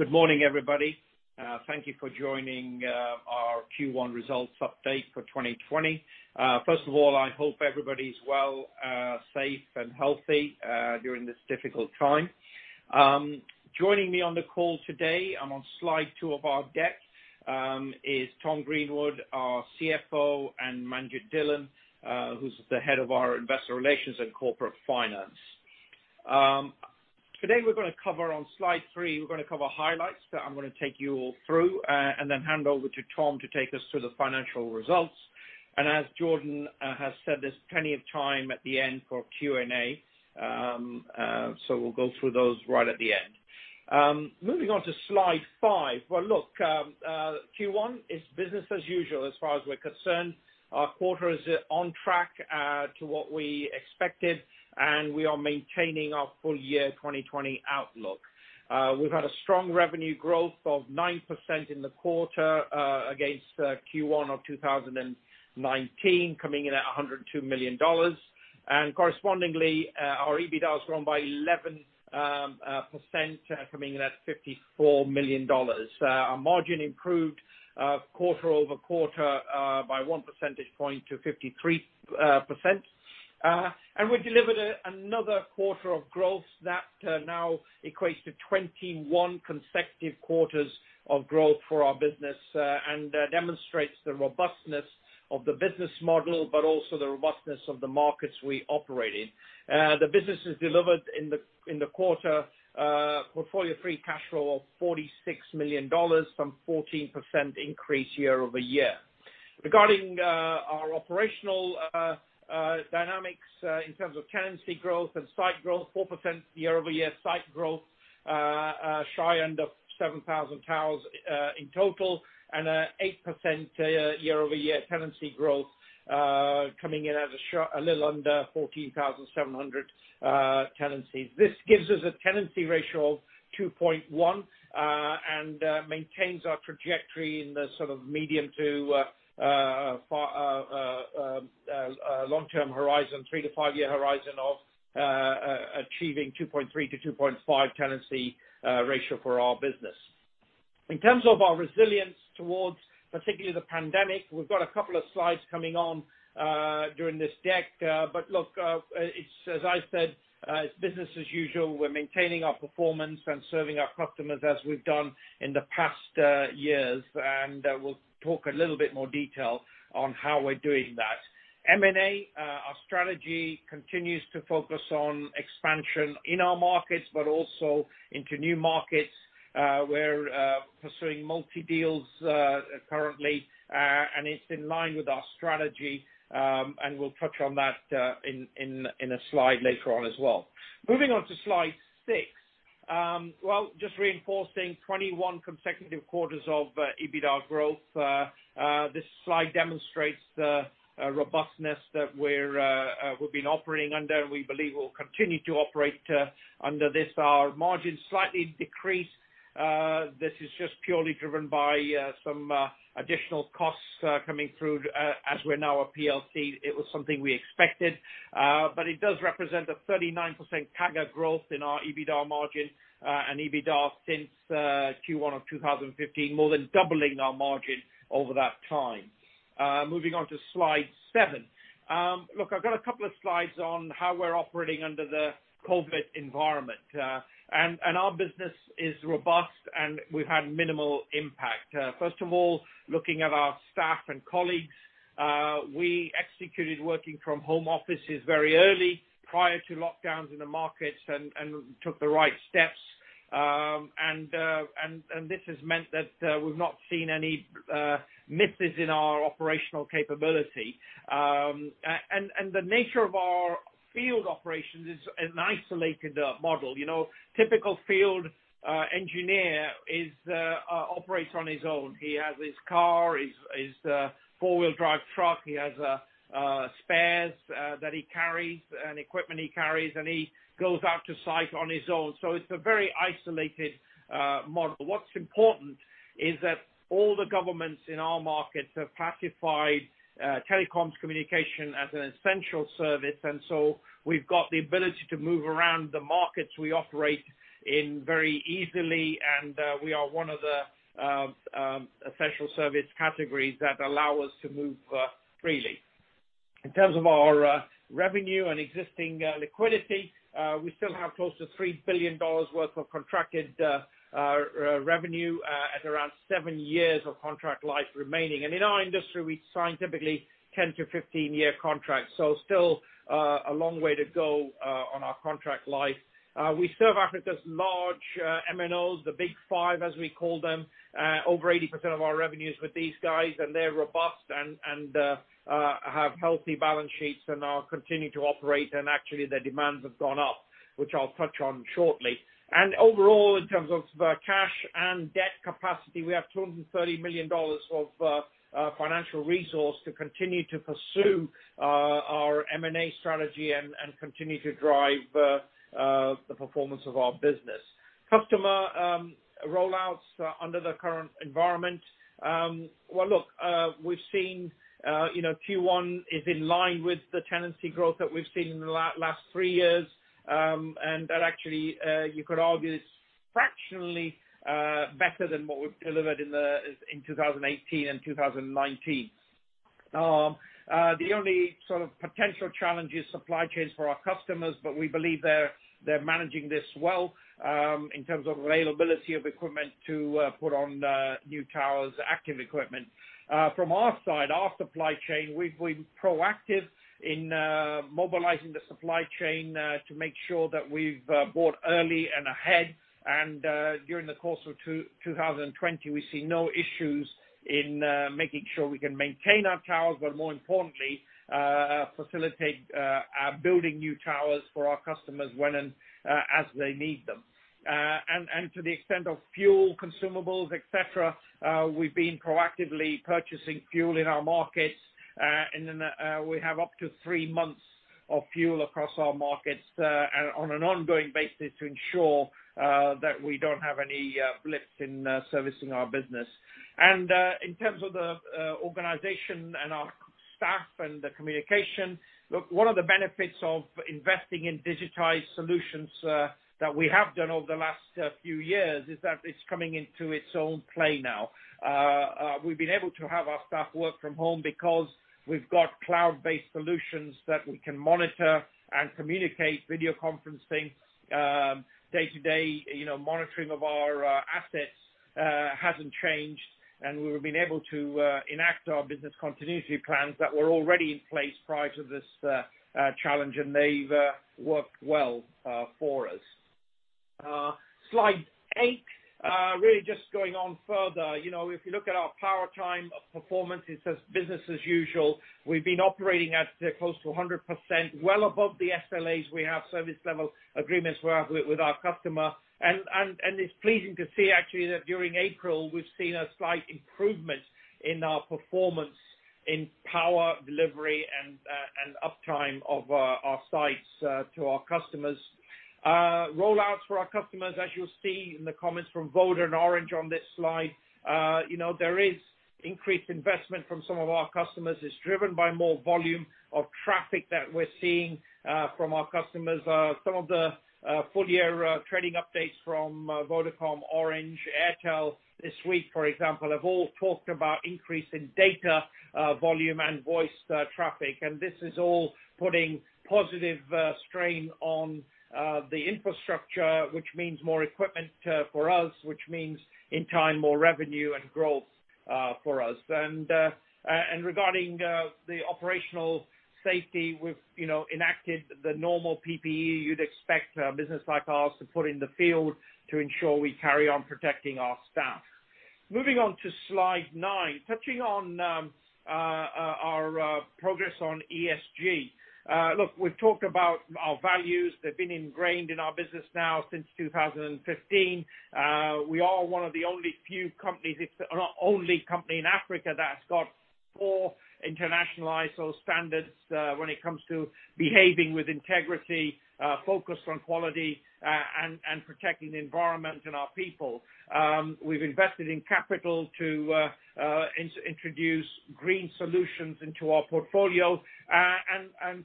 Good morning, everybody. Thank you for joining our Q1 results update for 2020. First of all, I hope everybody's well, safe and healthy during this difficult time. Joining me on the call today, I'm on slide two of our deck, is Tom Greenwood, our CFO, and Manjit Dhillon, who's the Head of our Investor Relations and Corporate Finance. Today we're going to cover on slide three, highlights that I'm going to take you all through, then hand over to Tom to take us through the financial results. As Jordan has said, there's plenty of time at the end for Q&A, we'll go through those right at the end. Moving on to slide five. Well, look, Q1 is business as usual as far as we're concerned. Our quarter is on track to what we expected, we are maintaining our full year 2020 outlook. We've had a strong revenue growth of 9% in the quarter, against Q1 of 2019, coming in at $102 million. Correspondingly, our EBITDA has grown by 11%, coming in at $54 million. Our margin improved quarter-over-quarter by one percentage point to 53%. We delivered another quarter of growth that now equates to 21 consecutive quarters of growth for our business, and demonstrates the robustness of the business model, but also the robustness of the markets we operate in. The business has delivered in the quarter, portfolio free cash flow of $46 million, some 14% increase year-over-year. Regarding our operational dynamics in terms of tenancy growth and site growth, 4% year-over-year site growth, shy under 7,000 towers in total, and 8% year-over-year tenancy growth coming in at a little under 14,700 tenancies. This gives us a tenancy ratio of 2.1 and maintains our trajectory in the medium to long-term horizon, 3-5-year horizon of achieving 2.3-2.5 tenancy ratio for our business. In terms of our resilience towards particularly the pandemic, we've got a couple of slides coming on during this deck. Look, it's as I said, it's business as usual. We're maintaining our performance and serving our customers as we've done in the past years, and we'll talk a little bit more detail on how we're doing that. M&A, our strategy continues to focus on expansion in our markets, but also into new markets. We're pursuing multi deals currently, and it's in line with our strategy, and we'll touch on that in a slide later on as well. Moving on to slide six. Well, just reinforcing 21 consecutive quarters of EBITDA growth. This slide demonstrates the robustness that we've been operating under, and we believe we'll continue to operate under this. Our margin slightly decreased. This is just purely driven by some additional costs coming through as we're now a PLC. It was something we expected. It does represent a 39% CAGR growth in our EBITDA margin, and EBITDA since Q1 of 2015, more than doubling our margin over that time. Moving on to slide seven. Look, I've got a couple of slides on how we're operating under the COVID-19 environment. Our business is robust, and we've had minimal impact. First of all, looking at our staff and colleagues, we executed working from home offices very early, prior to lockdowns in the markets and took the right steps. This has meant that we've not seen any misses in our operational capability. The nature of our field operations is an isolated model. Typical field engineer operates on his own. He has his car, his four-wheel drive truck. He has spares that he carries and equipment he carries, and he goes out to site on his own. It's a very isolated model. What's important is that all the governments in our markets have classified telecoms communication as an essential service. We've got the ability to move around the markets we operate in very easily, and we are one of the essential service categories that allow us to move freely. In terms of our revenue and existing liquidity, we still have close to $3 billion worth of contracted revenue at around seven years of contract life remaining. In our industry, we sign typically 10-15-year contracts, so still a long way to go on our contract life. We serve Africa's large MNOs, the Big Five, as we call them. Over 80% of our revenue is with these guys, and they're robust and have healthy balance sheets and are continuing to operate, and actually, their demands have gone up, which I'll touch on shortly. Overall, in terms of cash and debt capacity, we have $230 million of financial resource to continue to pursue our M&A strategy and continue to drive the performance of our business. Customer rollouts under the current environment. Well, we've seen Q1 is in line with the tenancy growth that we've seen in the last three years. That actually, you could argue is fractionally better than what we've delivered in 2018 and 2019. The only potential challenge is supply chains for our customers, but we believe they're managing this well in terms of availability of equipment to put on new towers, active equipment. From our side, our supply chain, we've been proactive in mobilizing the supply chain to make sure that we've bought early and ahead. During the course of 2020, we see no issues in making sure we can maintain our towers, but more importantly, facilitate building new towers for our customers when and as they need them. To the extent of fuel, consumables, et cetera, we've been proactively purchasing fuel in our markets. We have up to three months of fuel across our markets on an ongoing basis to ensure that we don't have any blips in servicing our business. In terms of the organization and our staff and the communication, look, one of the benefits of investing in digitized solutions that we have done over the last few years is that it's coming into its own play now. We've been able to have our staff work from home because we've got cloud-based solutions that we can monitor and communicate, video conferencing, day-to-day monitoring of our assets hasn't changed, and we've been able to enact our business continuity plans that were already in place prior to this challenge, and they've worked well for us. Slide eight, really just going on further. If you look at our power time performance, it's just business as usual. We've been operating at close to 100%, well above the SLAs we have, Service Level Agreements with our customer. It's pleasing to see actually, that during April, we've seen a slight improvement in our performance in power delivery and uptime of our sites to our customers. Rollouts for our customers, as you'll see in the comments from Vodafone and Orange on this slide, there is increased investment from some of our customers. It's driven by more volume of traffic that we're seeing from our customers. Some of the full-year trading updates from Vodafone, Orange, Airtel this week, for example, have all talked about increase in data volume and voice traffic. This is all putting positive strain on the infrastructure, which means more equipment for us, which means in time, more revenue and growth for us. Regarding the operational safety, we've enacted the normal PPE you'd expect a business like ours to put in the field to ensure we carry on protecting our staff. Moving on to slide nine, touching on our progress on ESG. Look, we've talked about our values. They've been ingrained in our business now since 2015. We are one of the only company in Africa that's got four international ISO standards when it comes to behaving with integrity, focused on quality, and protecting the environment and our people. We've invested in capital to introduce green solutions into our portfolio.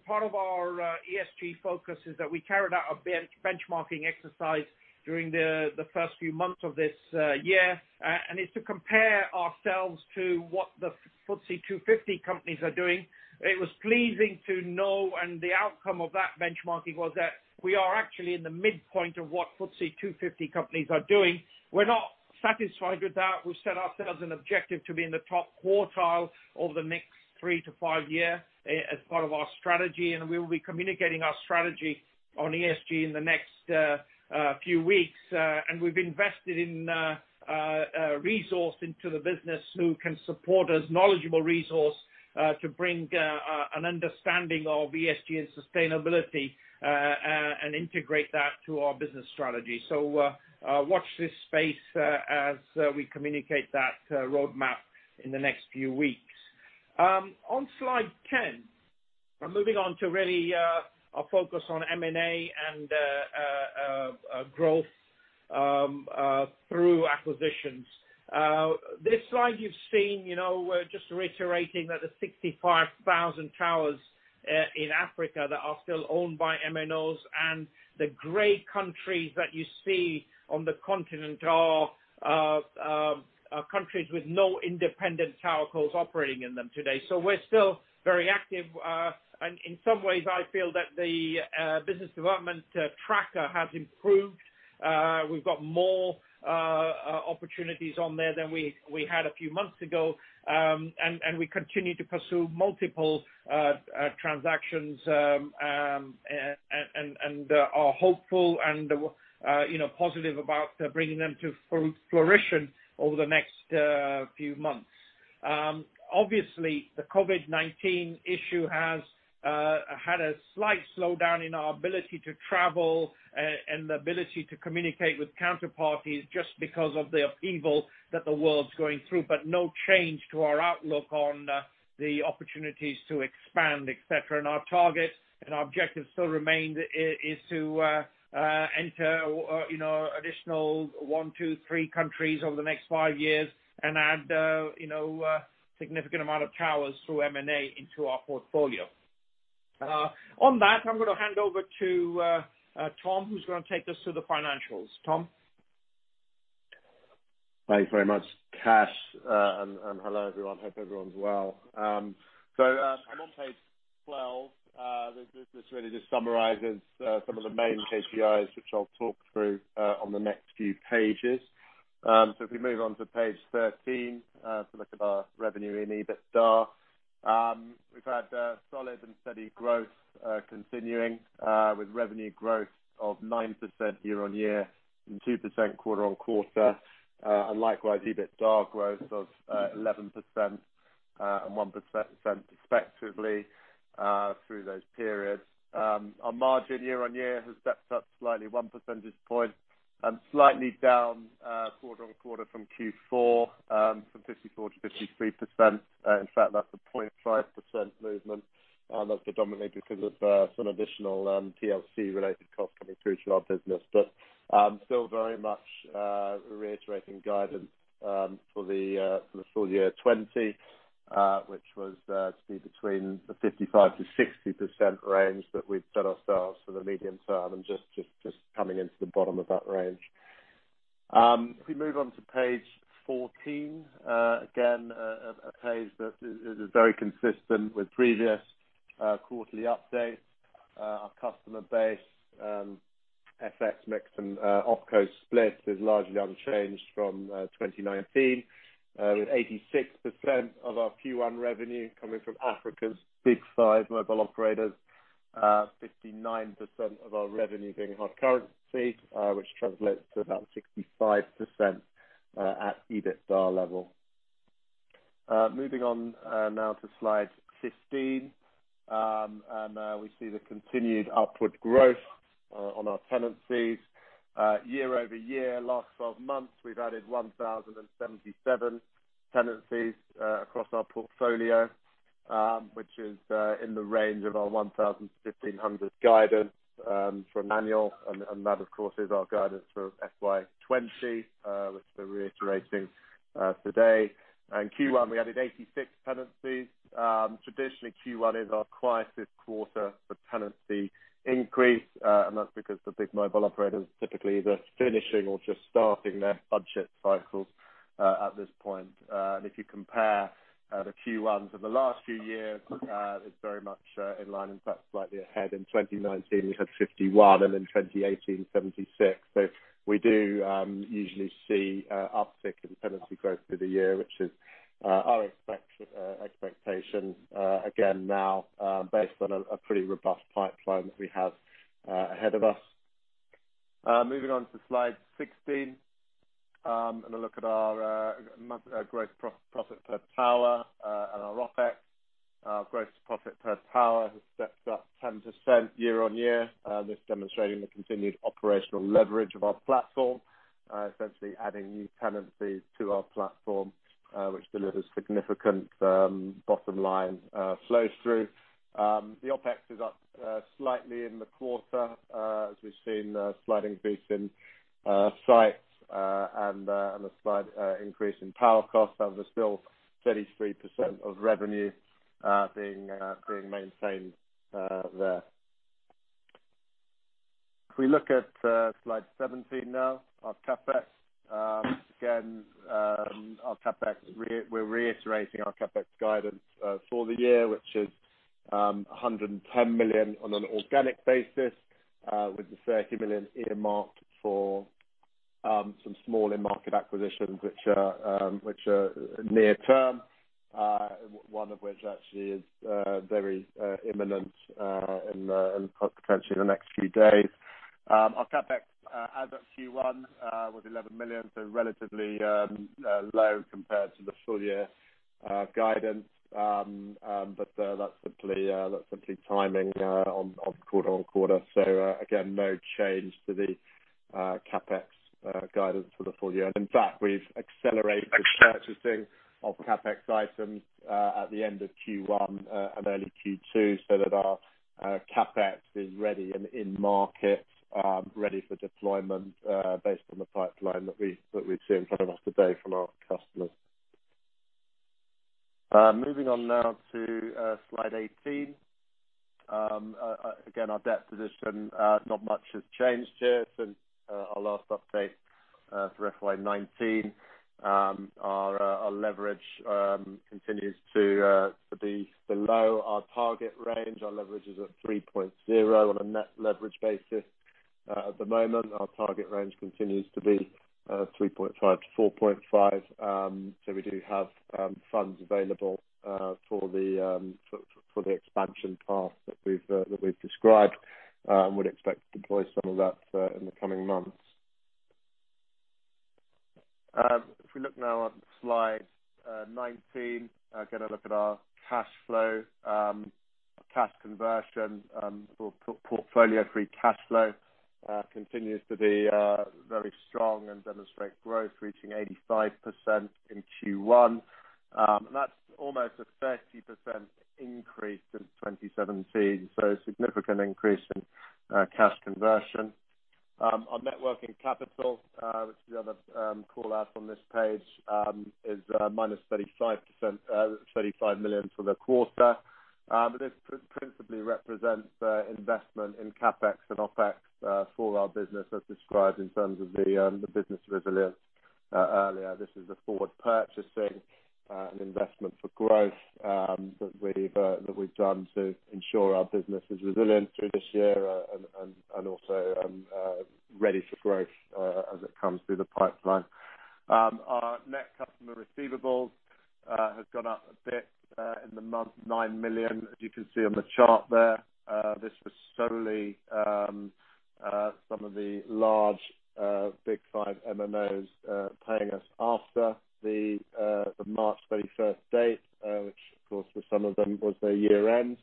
Part of our ESG focus is that we carried out a benchmarking exercise during the first few months of this year, and it's to compare ourselves to what the FTSE 250 companies are doing. It was pleasing to know, and the outcome of that benchmarking was that we are actually in the midpoint of what FTSE 250 companies are doing. We're not satisfied with that. We've set ourselves an objective to be in the top quartile over the next three to five years as part of our strategy, and we will be communicating our strategy on ESG in the next few weeks. We've invested in resource into the business who can support as knowledgeable resource to bring an understanding of ESG and sustainability, and integrate that to our business strategy. Watch this space as we communicate that roadmap in the next few weeks. On slide 10, I'm moving on to really our focus on M&A and growth through acquisitions. This slide you've seen, we're just reiterating that there's 65,000 towers in Africa that are still owned by MNOs, and the gray countries that you see on the continent are countries with no independent towercos operating in them today. We're still very active. In some ways, I feel that the business development tracker has improved. We've got more opportunities on there than we had a few months ago. We continue to pursue multiple transactions, and are hopeful and positive about bringing them to fruition over the next few months. Obviously, the COVID-19 issue has had a slight slowdown in our ability to travel and the ability to communicate with counterparties just because of the upheaval that the world's going through, but no change to our outlook on the opportunities to expand, et cetera. Our target and our objective still remains is to enter additional one, two, three countries over the next five years and add significant amount of towers through M&A into our portfolio. On that, I'm going to hand over to Tom, who's going to take us through the financials. Tom? Thanks very much, Kash. Hello, everyone. Hope everyone's well. I'm on page 12. This really just summarizes some of the main KPIs, which I'll talk through on the next few pages. If we move on to page 13 to look at our revenue and EBITDA. We've had solid and steady growth continuing, with revenue growth of 9% year-on-year and 2% quarter-on-quarter. Likewise, EBITDA growth of 11% and 1% respectively, through those periods. Our margin year-on-year has stepped up slightly 1 percentage point and slightly down quarter-on-quarter from Q4, from 54% to 53%. In fact, that's a 0.5% movement. That's predominantly because of some additional TLC-related costs coming through to our business. Still very much reiterating guidance for the full year 2020, which was to be between the 55%-60% range that we'd set ourselves for the medium term and just coming into the bottom of that range. If we move on to page 14. A page that is very consistent with previous quarterly updates. Our customer base, FX mix, and OpCo split is largely unchanged from 2019, with 86% of our Q1 revenue coming from Africa's Big Five mobile operators, 59% of our revenue being hard currency, which translates to about 65% at EBITDA level. Moving on now to slide 15. We see the continued upward growth on our tenancies. Year-over-year, last 12 months, we've added 1,077 tenancies across our portfolio, which is in the range of our 1,000-1,500 guidance for annual. That, of course, is our guidance for FY 2020, which we're reiterating today. In Q1, we added 86 tenancies. Traditionally, Q1 is our quietest quarter for tenancy increase, and that's because the big mobile operators are typically either finishing or just starting their budget cycles at this point. If you compare the Q1s of the last few years, it's very much in line, in fact, slightly ahead. In 2019, we had 51, and in 2018, 76. We do usually see an uptick in tenancy growth through the year, which is our expectation again now, based on a pretty robust pipeline that we have ahead of us. Moving on to slide 16, and a look at our month growth profit per tower and our OpEx. Our gross profit per tower has stepped up 10% year on year. This demonstrating the continued operational leverage of our platform, essentially adding new tenancy to our platform, which delivers significant bottom line flow through. The OpEx is up slightly in the quarter, as we've seen a slight increase in sites and a slight increase in power costs, and we're still 33% of revenue being maintained there. If we look at slide 17 now, our CapEx. Again, we're reiterating our CapEx guidance for the year, which is $110 million on an organic basis, with the $30 million earmarked for some small end market acquisitions, which are near term, one of which actually is very imminent and potentially in the next few days. Our CapEx as of Q1 was $11 million, so relatively low compared to the full year guidance. That's simply timing on quarter-on-quarter. Again, no change to the CapEx guidance for the full year. In fact, we've accelerated the purchasing of CapEx items at the end of Q1 and early Q2 so that our CapEx is ready and in market, ready for deployment based on the pipeline that we see in front of us today from our customers. Moving on now to slide 18. Again, our debt position, not much has changed here since our last update for FY 2019. Our leverage continues to be below our target range. Our leverage is at 3.0 on a net leverage basis. At the moment, our target range continues to be 3.5 to 4.5. We do have funds available for the expansion path that we've described and would expect to deploy some of that in the coming months. If we look now at slide 19, again, a look at our cash flow. Cash conversion for portfolio free cash flow continues to be very strong and demonstrate growth, reaching 85% in Q1. That is almost a 30% increase since 2017. A significant increase in cash conversion. Our net working capital, which is the other call-out on this page, is minus $35 million for the quarter. This principally represents investment in CapEx and OpEx for our business as described in terms of the business resilience earlier. This is the forward purchasing, an investment for growth that we've done to ensure our business is resilient through this year and also ready for growth as it comes through the pipeline. Our net customer receivables have gone up a bit in the month, $9 million, as you can see on the chart there. This was solely some of the large Big Five MNOs paying us after the March 31st date, which of course, for some of them was their year-end.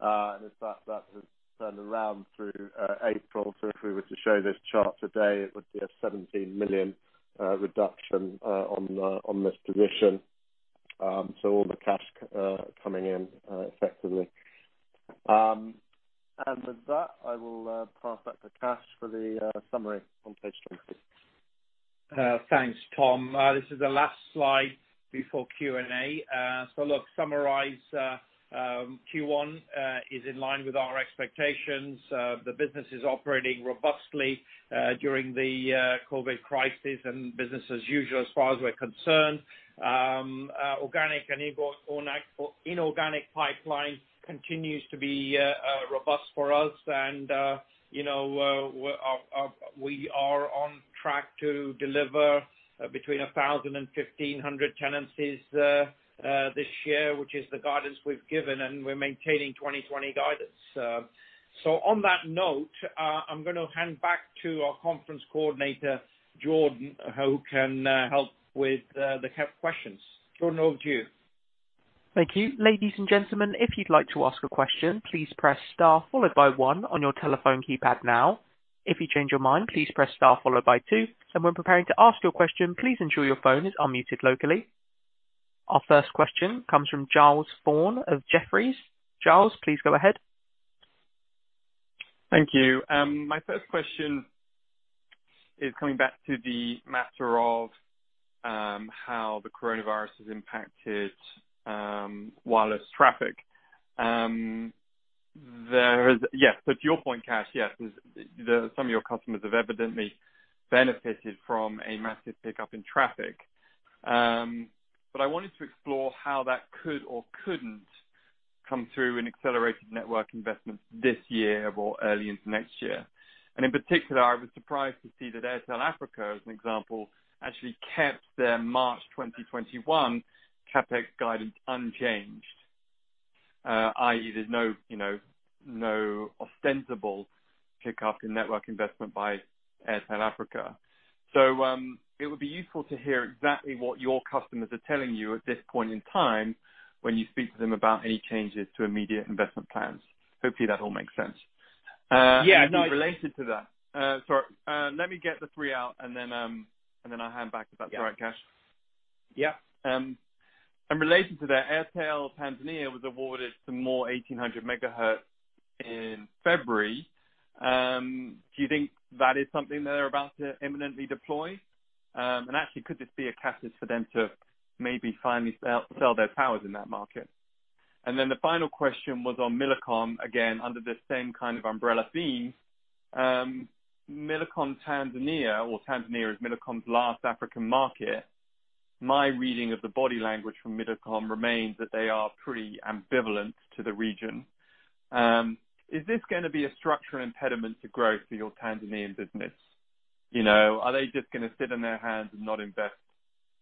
In fact, that has turned around through April. If we were to show this chart today, it would be a $17 million reduction on this position. All the cash coming in effectively. With that, I will pass back to Kash for the summary on page 26. Thanks, Tom. This is the last slide before Q&A. Look, summarize Q1 is in line with our expectations. The business is operating robustly during the COVID crisis and business as usual as far as we're concerned. Organic and inorganic pipeline continues to be robust for us and we are on track to deliver between 1,000 and 1,500 tenancies this year, which is the guidance we've given, and we're maintaining 2020 guidance. On that note, I'm going to hand back to our conference coordinator, Jordan, who can help with the questions. Jordan, over to you. Thank you. Ladies and gentlemen, if you'd like to ask a question, please press star followed by one on your telephone keypad now. If you change your mind, please press star followed by two, and when preparing to ask your question, please ensure your phone is unmuted locally. Our first question comes from Giles Thorne of Jefferies. Giles, please go ahead. Thank you. My first question is coming back to the matter of how the coronavirus has impacted wireless traffic. Yeah. To your point, Kash, yes, some of your customers have evidently benefited from a massive pickup in traffic. I wanted to explore how that could or couldn't come through in accelerated network investments this year or early into next year. In particular, I was surprised to see that Airtel Africa, as an example, actually kept their March 2021 CapEx guidance unchanged, i.e., there's no ostensible pickup in network investment by Airtel Africa. It would be useful to hear exactly what your customers are telling you at this point in time when you speak to them about any changes to immediate investment plans. Hopefully, that all makes sense. Yeah. Related to that. Sorry. Let me get the three out and then I'll hand back if that's all right, Kash. Yeah. Related to that, Airtel Tanzania was awarded some more 1,800 MHz in February. Do you think that is something that they're about to imminently deploy? Actually, could this be a catalyst for them to maybe finally sell their towers in that market? The final question was on Millicom, again, under this same kind of umbrella theme. Millicom Tanzania, well, Tanzania is Millicom's last African market. My reading of the body language from Millicom remains that they are pretty ambivalent to the region. Is this going to be a structural impediment to growth for your Tanzanian business? Are they just going to sit on their hands and not invest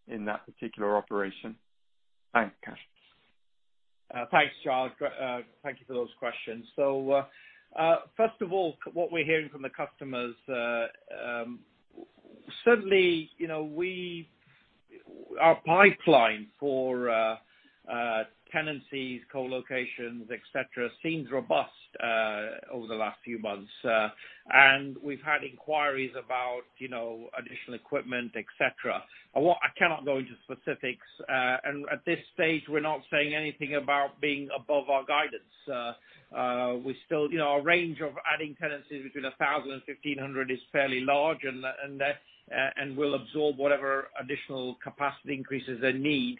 in that particular operation? Thanks, Kash. Thanks, Giles. Thank you for those questions. First of all, what we're hearing from the customers, certainly our pipeline for tenancies, co-locations, et cetera, seems robust over the last few months. We've had inquiries about additional equipment, et cetera. I cannot go into specifics. At this stage, we're not saying anything about being above our guidance. Our range of adding tenancies between 1,000 and 1,500 is fairly large, and we'll absorb whatever additional capacity increases they need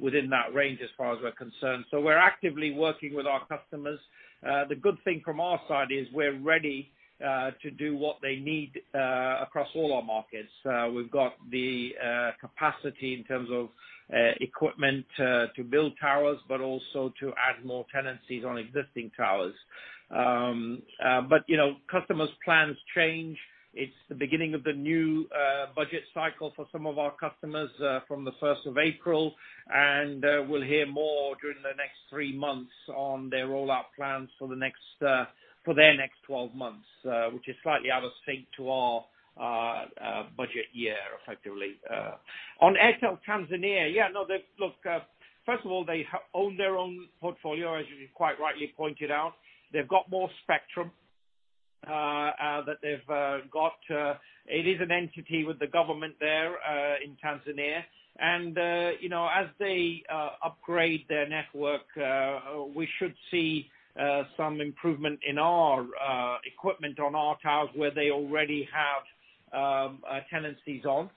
within that range as far as we're concerned. We're actively working with our customers. The good thing from our side is we're ready to do what they need across all our markets. We've got the capacity in terms of equipment to build towers, but also to add more tenancies on existing towers. Customers' plans change. It's the beginning of the new budget cycle for some of our customers from the 1st of April. We'll hear more during the next three months on their rollout plans for their next 12 months, which is slightly out of sync to our budget year, effectively. On Airtel Tanzania, first of all, they own their own portfolio, as you quite rightly pointed out. They've got more spectrum that they've got. It is an entity with the government there in Tanzania. As they upgrade their network, we should see some improvement in our equipment on our towers where they already have tenancies on,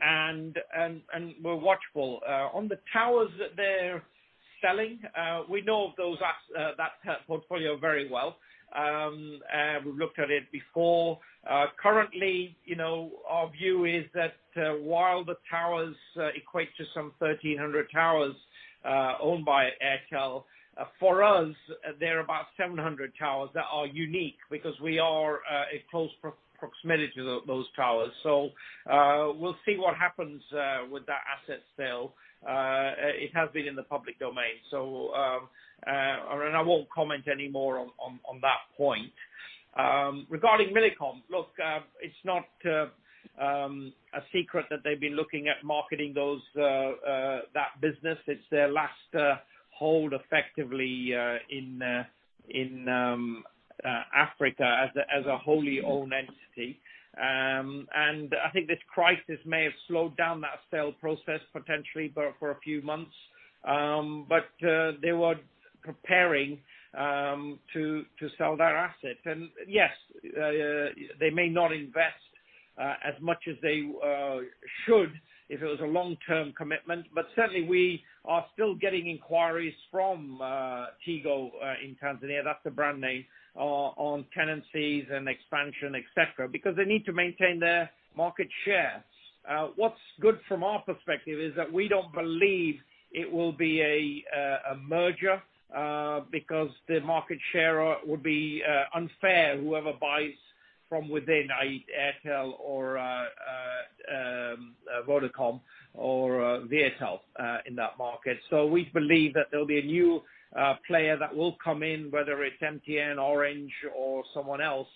and we're watchful. On the towers that they're selling. We know that portfolio very well. We've looked at it before. Currently, our view is that while the towers equate to some 1,300 towers owned by Airtel, for us, there are about 700 towers that are unique because we are a close proximity to those towers. We'll see what happens with that asset sale. It has been in the public domain. I won't comment any more on that point. Regarding Millicom, look, it's not a secret that they've been looking at marketing that business. It's their last hold, effectively, in Africa as a wholly owned entity. I think this crisis may have slowed down that sale process potentially for a few months, but they were preparing to sell their assets. Yes, they may not invest as much as they should if it was a long-term commitment, but certainly we are still getting inquiries from Tigo in Tanzania, that's the brand name, on tenancies and expansion, etcetera, because they need to maintain their market share. What's good from our perspective is that we don't believe it will be a merger, because the market share would be unfair, whoever buys from within, i.e. Airtel or Vodacom or Viettel in that market. We believe that there'll be a new player that will come in, whether it's MTN, Orange or someone else,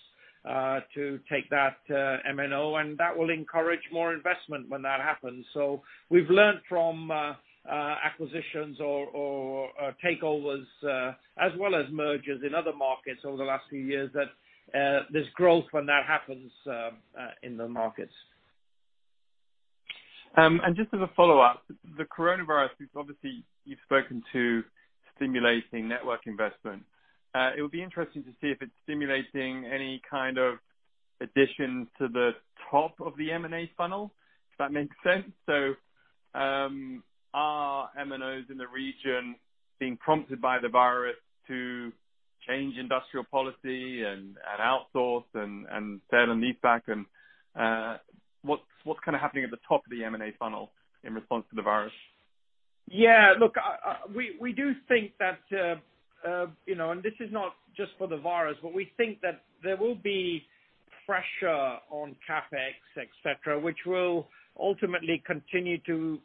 to take that MNO, and that will encourage more investment when that happens. We've learned from acquisitions or takeovers, as well as mergers in other markets over the last few years, that there's growth when that happens in the markets. Just as a follow-up, the coronavirus, obviously you've spoken to stimulating network investment. It would be interesting to see if it's stimulating any kind of addition to the top of the M&A funnel, if that makes sense. Are MNOs in the region being prompted by the virus to change industrial policy and outsource and sell and lease back? What's happening at the top of the M&A funnel in response to the virus? Look, we do think that, and this is not just for the virus, but we think that there will be pressure on CapEx, et cetera, which will ultimately continue to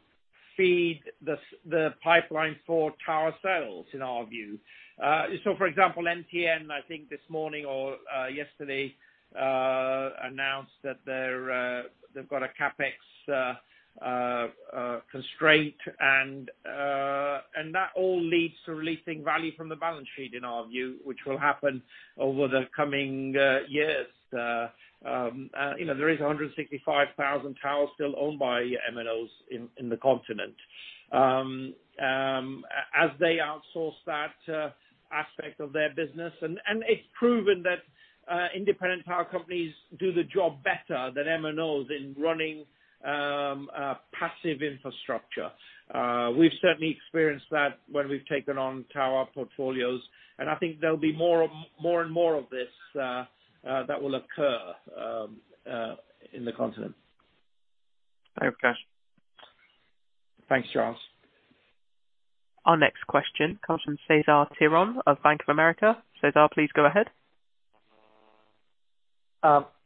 feed the pipeline for tower sales, in our view. For example, MTN, I think this morning or yesterday, announced that they've got a CapEx constraint, and that all leads to releasing value from the balance sheet, in our view, which will happen over the coming years. There is 165,000 towers still owned by MNOs in the continent. As they outsource that aspect of their business, and it's proven that independent tower companies do the job better than MNOs in running passive infrastructure. We've certainly experienced that when we've taken on tower portfolios, and I think there'll be more and more of this that will occur in the continent. Over to you. Thanks, Giles. Our next question comes from Cesar Tiron of Bank of America. Cesar, please go ahead.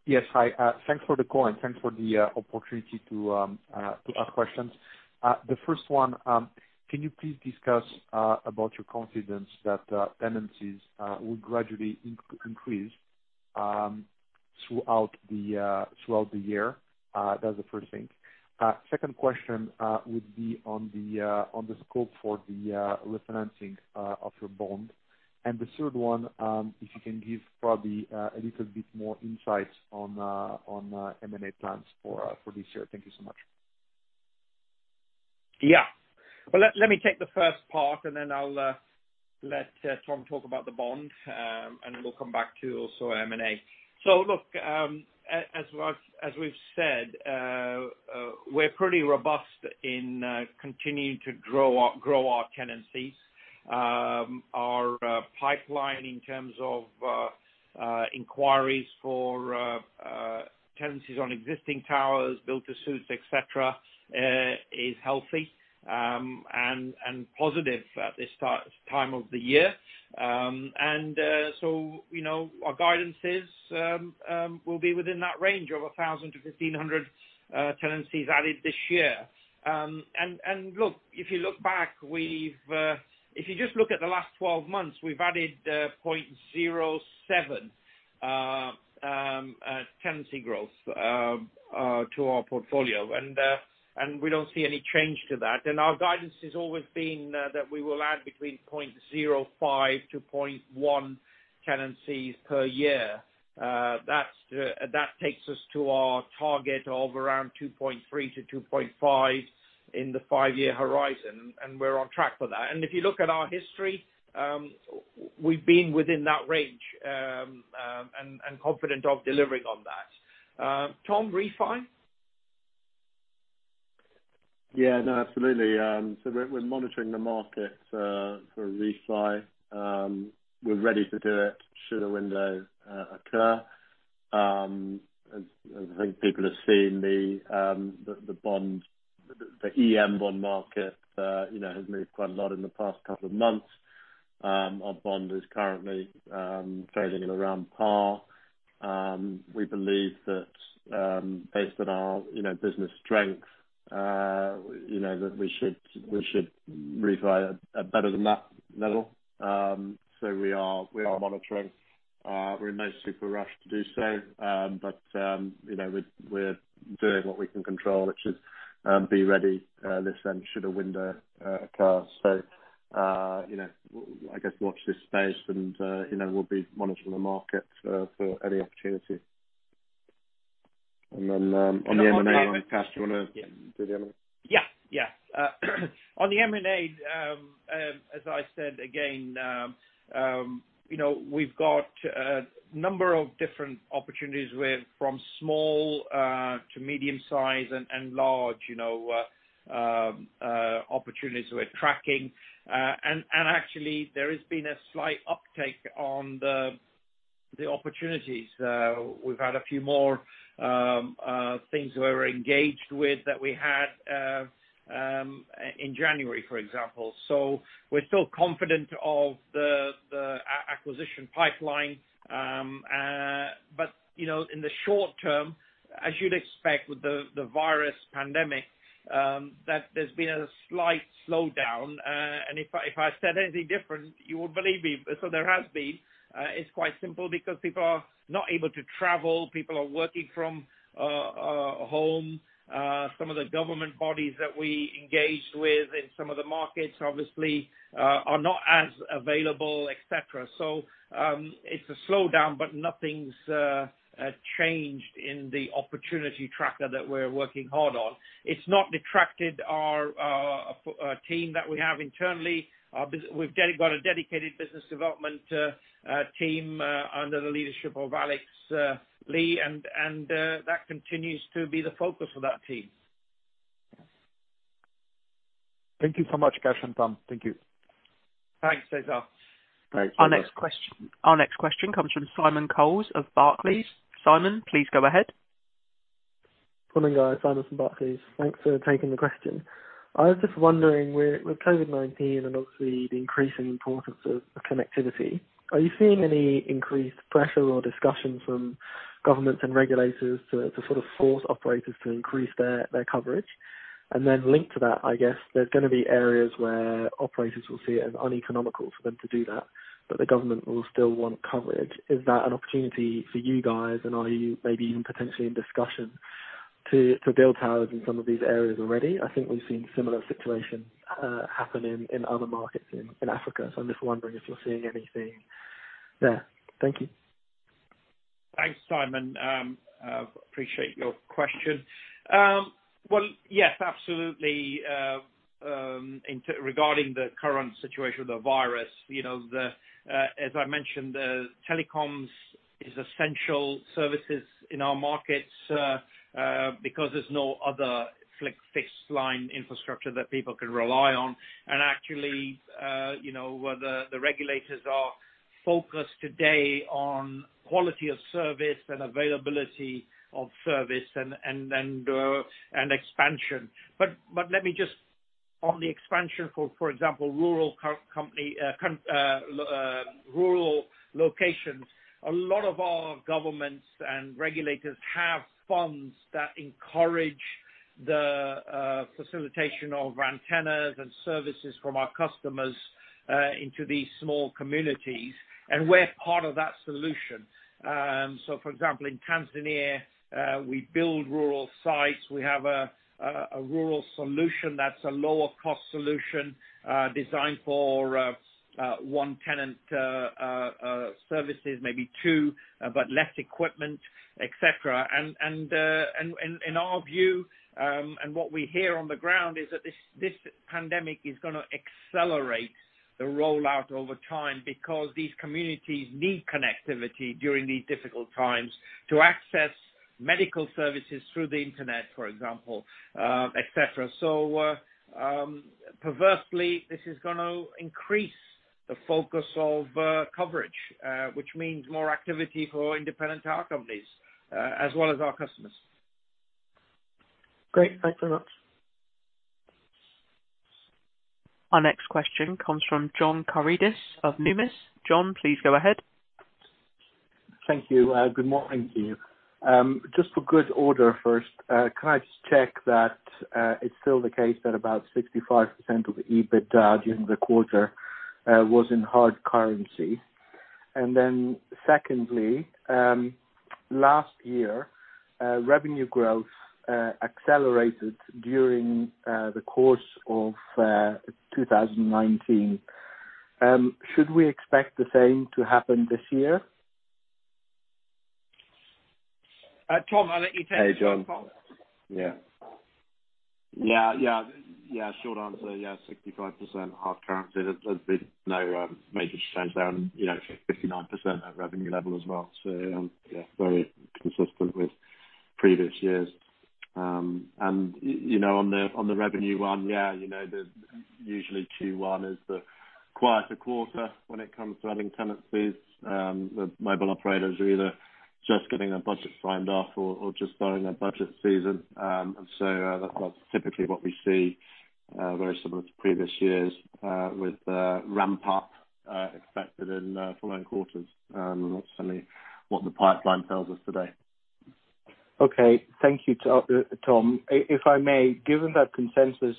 Yes, hi. Thanks for the call, and thanks for the opportunity to ask questions. The first one, can you please discuss about your confidence that tenancies will gradually increase throughout the year? That's the first thing. Second question would be on the scope for the refinancing of your bond. The third one, if you can give probably a little bit more insight on M&A plans for this year. Thank you so much. Yeah. Well, let me take the first part, then I'll let Tom talk about the bond, then we'll come back to also M&A. Look, as we've said, we're pretty robust in continuing to grow our tenancies. Our pipeline in terms of inquiries for tenancies on existing towers, build-to-suits, et cetera, is healthy and positive at this time of the year. Our guidance is, we'll be within that range of 1,000-1,500 tenancies added this year. Look, if you just look at the last 12 months, we've added 0.07 tenancy growth to our portfolio. We don't see any change to that. Our guidance has always been that we will add between 0.05 to 0.1 tenancies per year. That takes us to our target of around 2.3 to 2.5 in the five-year horizon, and we're on track for that. If you look at our history, we've been within that range, and confident of delivering on that. Tom, refi? Yeah. No, absolutely. We're monitoring the market for refi. We're ready to do it should a window occur. As I think people have seen, the EM bond market has moved quite a lot in the past couple of months. Our bond is currently trading at around par. We believe that based on our business strength, that we should refi at better than that level. We are monitoring. We're in no super rush to do so. We're doing what we can control, which is be ready this end should a window occur. I guess watch this space, and we'll be monitoring the market for any opportunity. On the M&A, Kash, do you want to do the M&A? Yeah. On the M&A, as I said again, we've got a number of different opportunities from small to medium-size and large opportunities we're tracking. Actually, there has been a slight uptake on the opportunities. We've had a few more things we're engaged with that we had in January, for example. We're still confident of the acquisition pipeline. In the short term, as you'd expect with the virus pandemic, that there's been a slight slowdown. If I said anything different, you would believe me. There has been. It's quite simple because people are not able to travel. People are working from home. Some of the government bodies that we engaged with in some of the markets obviously are not as available, et cetera. It's a slowdown, but nothing's changed in the opportunity tracker that we're working hard on. It's not detracted our team that we have internally. We've got a dedicated business development team under the leadership of Alex Lee, and that continues to be the focus of that team. Thank you so much, Kash and Tom. Thank you. Thanks, Cesar. Thanks. Our next question comes from Simon Coles of Barclays. Simon, please go ahead. Morning, guys. Simon from Barclays. Thanks for taking the question. I was just wondering, with COVID-19 and obviously the increasing importance of connectivity, are you seeing any increased pressure or discussion from governments and regulators to sort of force operators to increase their coverage? Linked to that, I guess there's going to be areas where operators will see it as uneconomical for them to do that, but the government will still want coverage. Is that an opportunity for you guys? Are you maybe even potentially in discussion to build towers in some of these areas already? I think we've seen similar situations happening in other markets in Africa. I'm just wondering if you're seeing anything there. Thank you. Thanks, Simon. Appreciate your question. Yes, absolutely regarding the current situation with the virus, as I mentioned, telecoms is essential services in our markets because there's no other fixed-line infrastructure that people can rely on. Actually, the regulators are focused today on quality of service and availability of service and expansion. Let me just, on the expansion, for example, rural locations, a lot of our governments and regulators have funds that encourage the facilitation of antennas and services from our customers into these small communities, and we're part of that solution. For example, in Tanzania, we build rural sites. We have a rural solution that's a lower cost solution designed for one tenant services, maybe two, but less equipment, et cetera. In our view and what we hear on the ground is that this pandemic is going to accelerate the rollout over time because these communities need connectivity during these difficult times to access medical services through the internet, for example, et cetera. Perversely, this is going to increase the focus of coverage, which means more activity for independent tower companies as well as our customers. Great. Thanks very much. Our next question comes from John Karidis of Numis. John, please go ahead. Thank you. Good morning to you. Just for good order first, can I just check that it's still the case that about 65% of the EBITDA during the quarter was in hard currency? Secondly, last year, revenue growth accelerated during the course of 2019. Should we expect the same to happen this year? Tom, I'll let you take that. Hey, John. Yeah. Yeah. Short answer, yeah, 65% hard currency. There's been no major change there and 59% at revenue level as well. Yeah, very consistent with previous years. On the revenue one, yeah, usually Q1 is the quieter quarter when it comes to adding tenancies. The mobile operators are either just getting their budget signed off or just starting their budget season. That's typically what we see, very similar to previous years, with a ramp up expected in following quarters. That's certainly what the pipeline tells us today. Okay. Thank you, Tom. If I may, given that consensus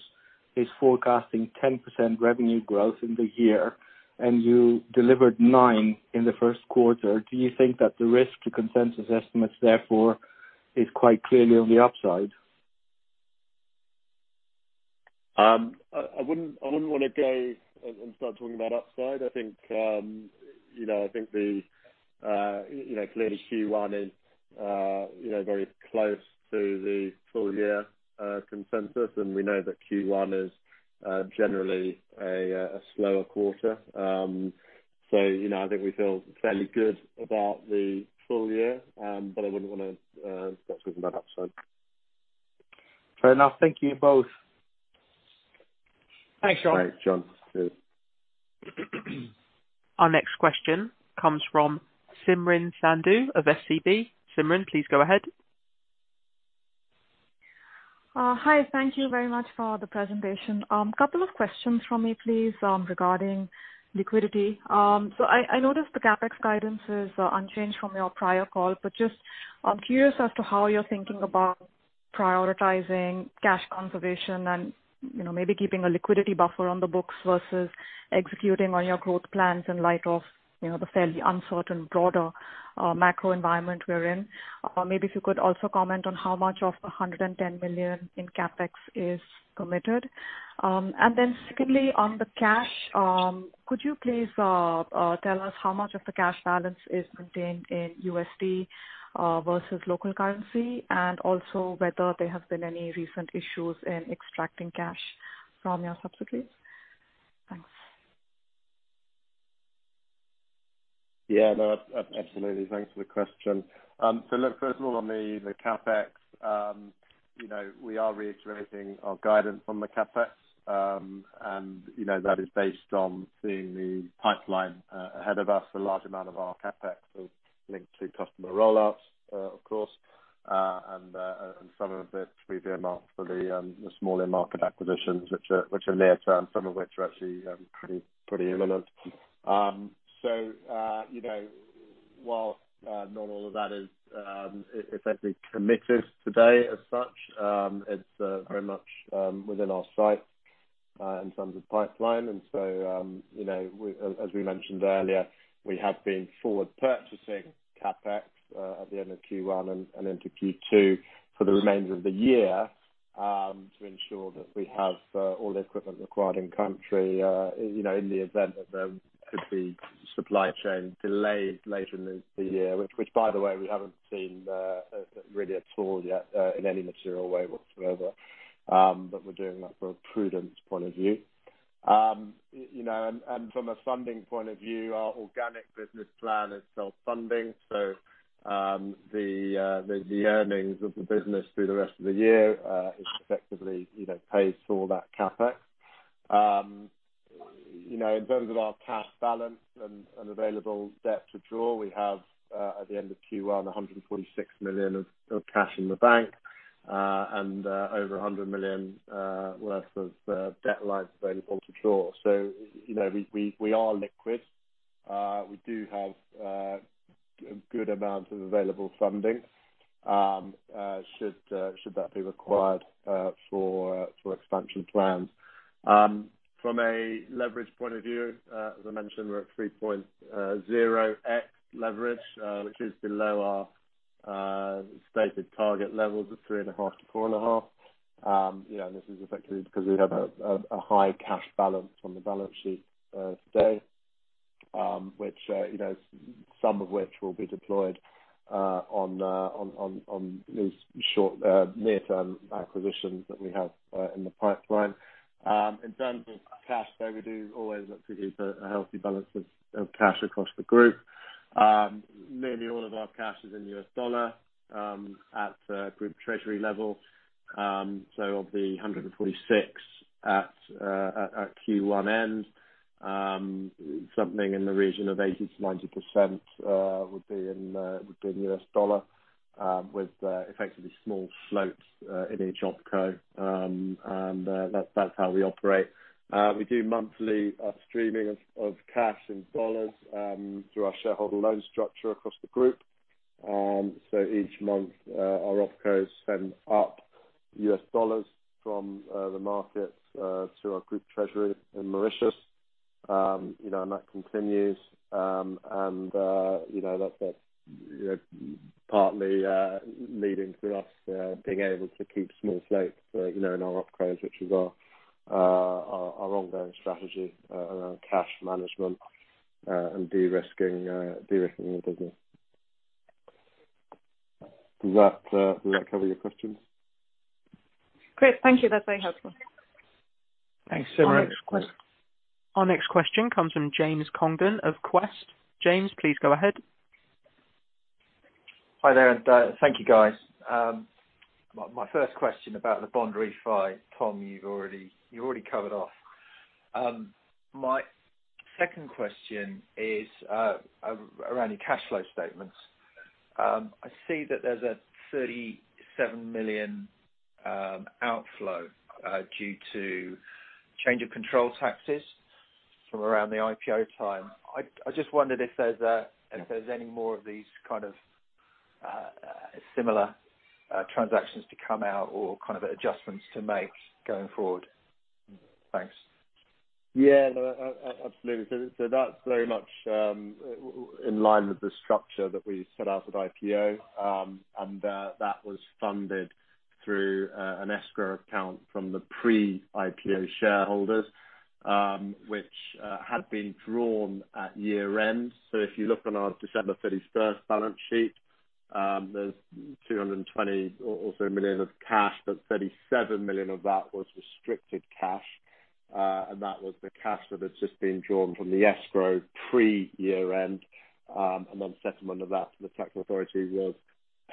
is forecasting 10% revenue growth in the year and you delivered nine in the first quarter, do you think that the risk to consensus estimates therefore is quite clearly on the upside? I wouldn't want to go and start talking about upside. I think clearly Q1 is very close to the full year consensus, and we know that Q1 is generally a slower quarter. I think we feel fairly good about the full year, but I wouldn't want to start talking about upside. Fair enough. Thank you, both. Thanks, John. All right, John. See you. Our next question comes from Simrin Sandhu of SCB. Simrin, please go ahead. Hi. Thank you very much for the presentation. Couple of questions from me, please, regarding liquidity. I noticed the CapEx guidance is unchanged from your prior call, but just I'm curious as to how you're thinking about prioritizing cash conservation and maybe keeping a liquidity buffer on the books versus executing on your growth plans in light of the fairly uncertain broader macro environment we're in. Maybe if you could also comment on how much of the $110 million in CapEx is committed. Secondly, on the cash, could you please tell us how much of the cash balance is contained in USD versus local currency, and also whether there have been any recent issues in extracting cash from your subsidiaries? Thanks. Yeah. No, absolutely. Thanks for the question. Look, first of all, on the CapEx, we are reiterating our guidance on the CapEx. That is based on seeing the pipeline ahead of us. A large amount of our CapEx is linked to customer roll-ups, of course, and some of it we've earmarked for the smaller market acquisitions, which are near term, some of which are actually pretty imminent. While not all of that is essentially committed today as such, it's very much within our sights in terms of pipeline. As we mentioned earlier, we have been forward purchasing CapEx at the end of Q1 and into Q2 for the remainder of the year to ensure that we have all the equipment required in country, in the event that there could be supply chain delays later in the year, which by the way, we haven't seen really at all yet in any material way whatsoever. We're doing that from a prudence point of view. From a funding point of view, our organic business plan is self-funding. The earnings of the business through the rest of the year effectively pays for that CapEx. In terms of our cash balance and available debt to draw, we have, at the end of Q1, $146 million of cash in the bank and over $100 million worth of debt lines available to draw. We are liquid. We do have good amounts of available funding should that be required for expansion plans. From a leverage point of view, as I mentioned, we're at 3.0x leverage, which is below our stated target levels of three and a half to four and a half. This is effectively because we have a high cash balance on the balance sheet today, some of which will be deployed on these near-term acquisitions that we have in the pipeline. In terms of cash there, we do always look to keep a healthy balance of cash across the group. Nearly all of our cash is in US dollar at group treasury level. Of the $146 at Q1 end, something in the region of 80%-90% would be in US dollar with effectively small floats in each OpCo. That's how we operate. We do monthly streaming of cash in dollars through our shareholder loan structure across the group. Each month, our OpCos send up US dollars from the markets to our group treasury in Mauritius. That continues. That's partly leading to us being able to keep small floats in our OpCos, which is our ongoing strategy around cash management and de-risking the business. Does that cover your question? Great. Thank you. That's very helpful. Thanks so much. Our next question comes from James Congdon of Quest. James, please go ahead. Hi there, thank you, guys. My first question about the bond refi, Tom, you've already covered off. My second question is around your cash flow statements. I see that there's a $37 million outflow due to change of control taxes from around the IPO time. I just wondered if there's any more of these kind of similar transactions to come out or kind of adjustments to make going forward. Thanks. Yeah, absolutely. That's very much in line with the structure that we set out at IPO, and that was funded through an escrow account from the pre-IPO shareholders, which had been drawn at year end. If you look on our December 31st balance sheet, there's $220 million of cash, but $37 million of that was restricted cash. That was the cash that had just been drawn from the escrow pre-year end. Settlement of that for the tax authority was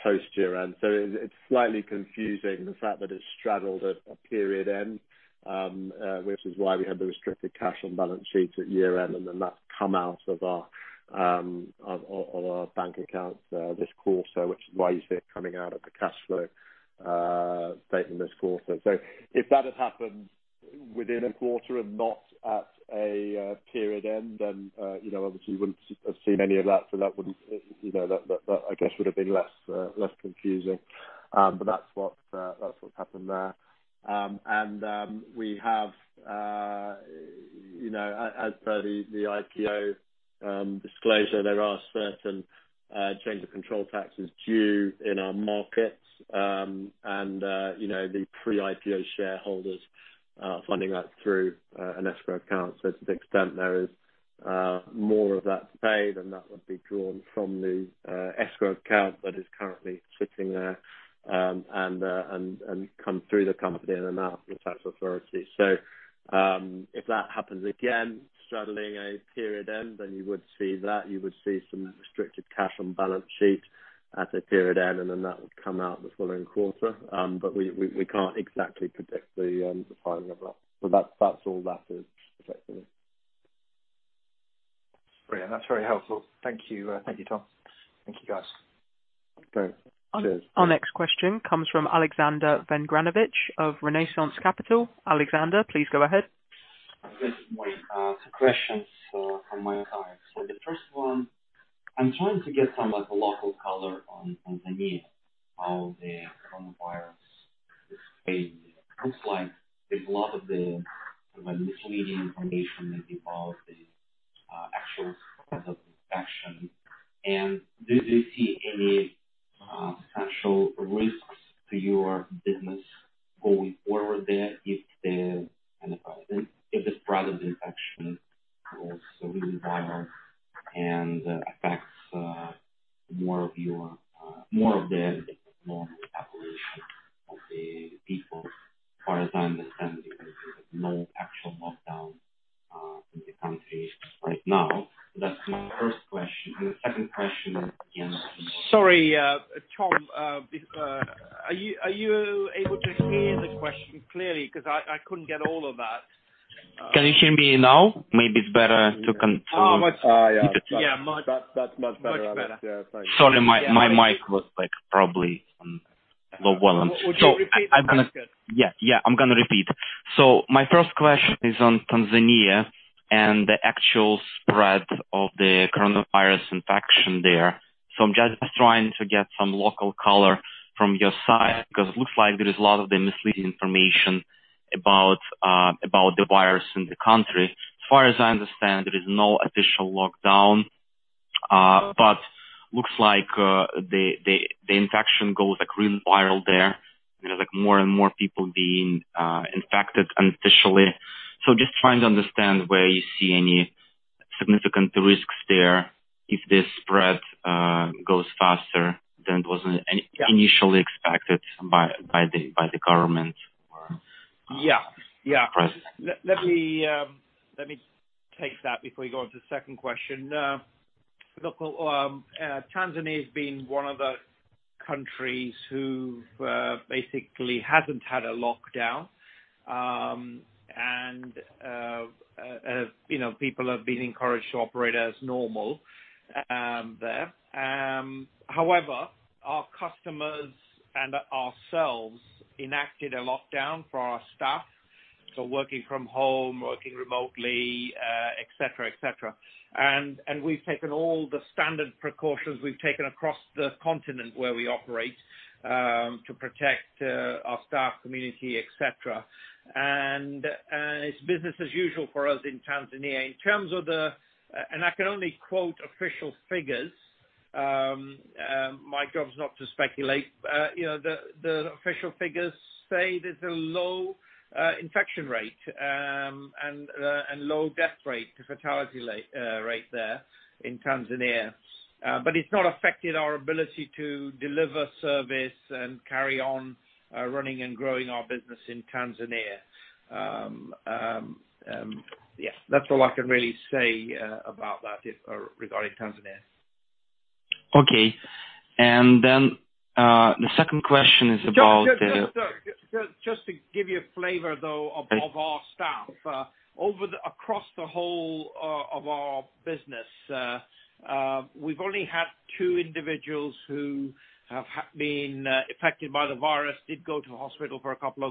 post year end. It's slightly confusing the fact that it's straddled a period end, which is why we had the restricted cash on balance sheet at year end, and then that's come out of our bank accounts this quarter, which is why you see it coming out of the cash flow statement this quarter. If that had happened within a quarter and not at a period end, then obviously you wouldn't have seen any of that. That I guess would have been less confusing. That's what's happened there. We have as per the IPO disclosure, there are certain change of control taxes due in our markets. The pre-IPO shareholders are funding that through an escrow account. To the extent there is more of that to pay, then that would be drawn from the escrow account that is currently sitting there, and come through the company and then out to the tax authority. If that happens again, straddling a period end, then you would see that, you would see some restricted cash on balance sheet at a period end, and then that would come out the following quarter. We can't exactly predict the timing of that. That's all that is effectively. Brilliant. That's very helpful. Thank you, Tom. Thank you, guys. Okay. Cheers. Our next question comes from Alexander Vengranovich of Renaissance Capital. Alexander, please go ahead. Yes. Good morning. Two questions from my side. The first one, I'm trying to get some of the local color on Tanzania, how the coronavirus is spreading there. It looks like there's a lot of the sort of misleading information maybe about the actual spread of infection. Do you see any potential risks to your business going forward there if this spread of infection goes really viral and affects more of the normal population of the people? As far as I understand, there is no actual lockdown in the country right now. That's my first question. The second question is-- Sorry, Tom, are you able to hear the question clearly? I couldn't get all of that. Can you hear me now? Yeah, much, much better. Much better. Yeah, thanks. Sorry, my mic was probably on low volume. Would you repeat the question? Yeah. I'm gonna repeat. My first question is on Tanzania and the actual spread of the coronavirus infection there. I'm just trying to get some local color from your side because it looks like there is a lot of the misleading information about the virus in the country. As far as I understand, there is no official lockdown, but looks like the infection goes really viral there. There is more and more people being infected unofficially. Just trying to understand where you see any significant risks there if this spread goes faster than was initially expected by the government. Yeah. Let me take that before you go on to the second question. Look, Tanzania has been one of the countries who basically hasn't had a lockdown. People have been encouraged to operate as normal there. However, our customers and ourselves enacted a lockdown for our staff. Working from home, working remotely et cetera. We've taken all the standard precautions we've taken across the continent where we operate, to protect our staff, community, et cetera. It's business as usual for us in Tanzania. I can only quote official figures. My job's not to speculate. The official figures say there's a low infection rate, and low death rate, the fatality rate there. In Tanzania. It's not affected our ability to deliver service and carry on running and growing our business in Tanzania. Yeah. That's all I can really say about that regarding Tanzania. Okay. The second question is. Just to give you a flavor, though, of our staff. Across the whole of our business, we've only had two individuals who have been affected by the virus, did go to the hospital for a couple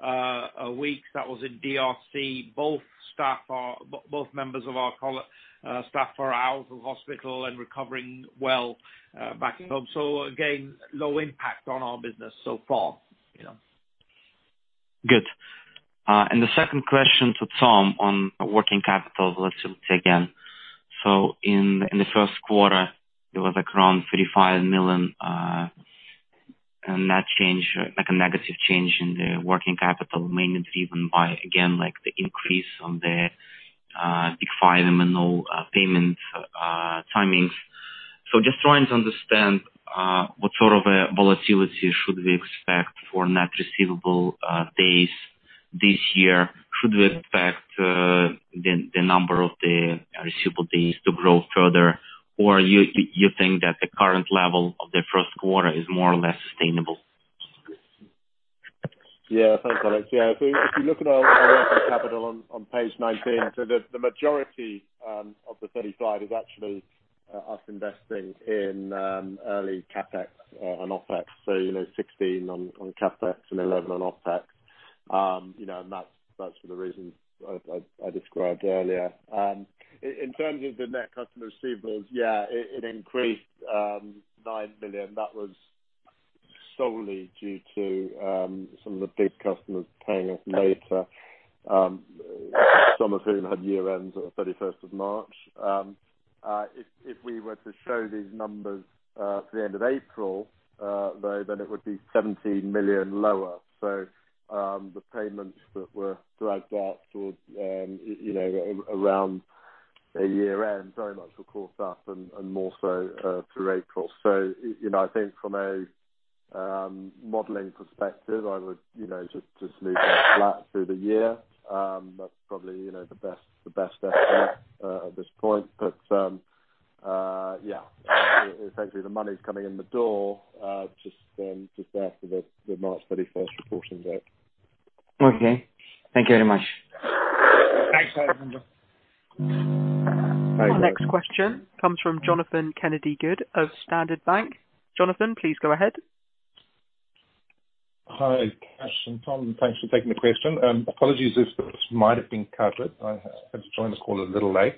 of weeks. That was in DRC. Both members of our staff are out of hospital and recovering well back at home. Again, low impact on our business so far. Good. The second question to Tom on working capital volatility again. In the first quarter, there was around $35 million net change, like a negative change in the working capital, mainly driven by, again, the increase on the big five MNO payment timings. Just trying to understand what sort of a volatility should we expect for net receivable days this year. Should we expect the number of the receivable days to grow further, or you think that the current level of the first quarter is more or less sustainable? Yeah. Thanks, Alex. Yeah, if you look at our working capital on page 19, the majority of the $35 is actually us investing in early CapEx and OpEx. $16 on CapEx and $11 on OpEx. That's for the reasons I described earlier. In terms of the net customer receivables, yeah, it increased $9 million. That was solely due to some of the big customers paying us later, some of whom had year-ends on 31st of March. If we were to show these numbers for the end of April, it would be $17 million lower. The payments that were dragged out towards around the year-end very much were caught up, and more so through April. I think from a modeling perspective, I would just leave that flat through the year. That's probably the best estimate at this point. Essentially, the money's coming in the door, just after the March 31st reporting date. Okay. Thank you very much. Thanks, Alexander. Bye. Our next question comes from Jonathan Kennedy-Good of Standard Bank. Jonathan, please go ahead. Hi, Kash and Tom. Thanks for taking the question. Apologies if this might have been covered. I had to join the call a little late.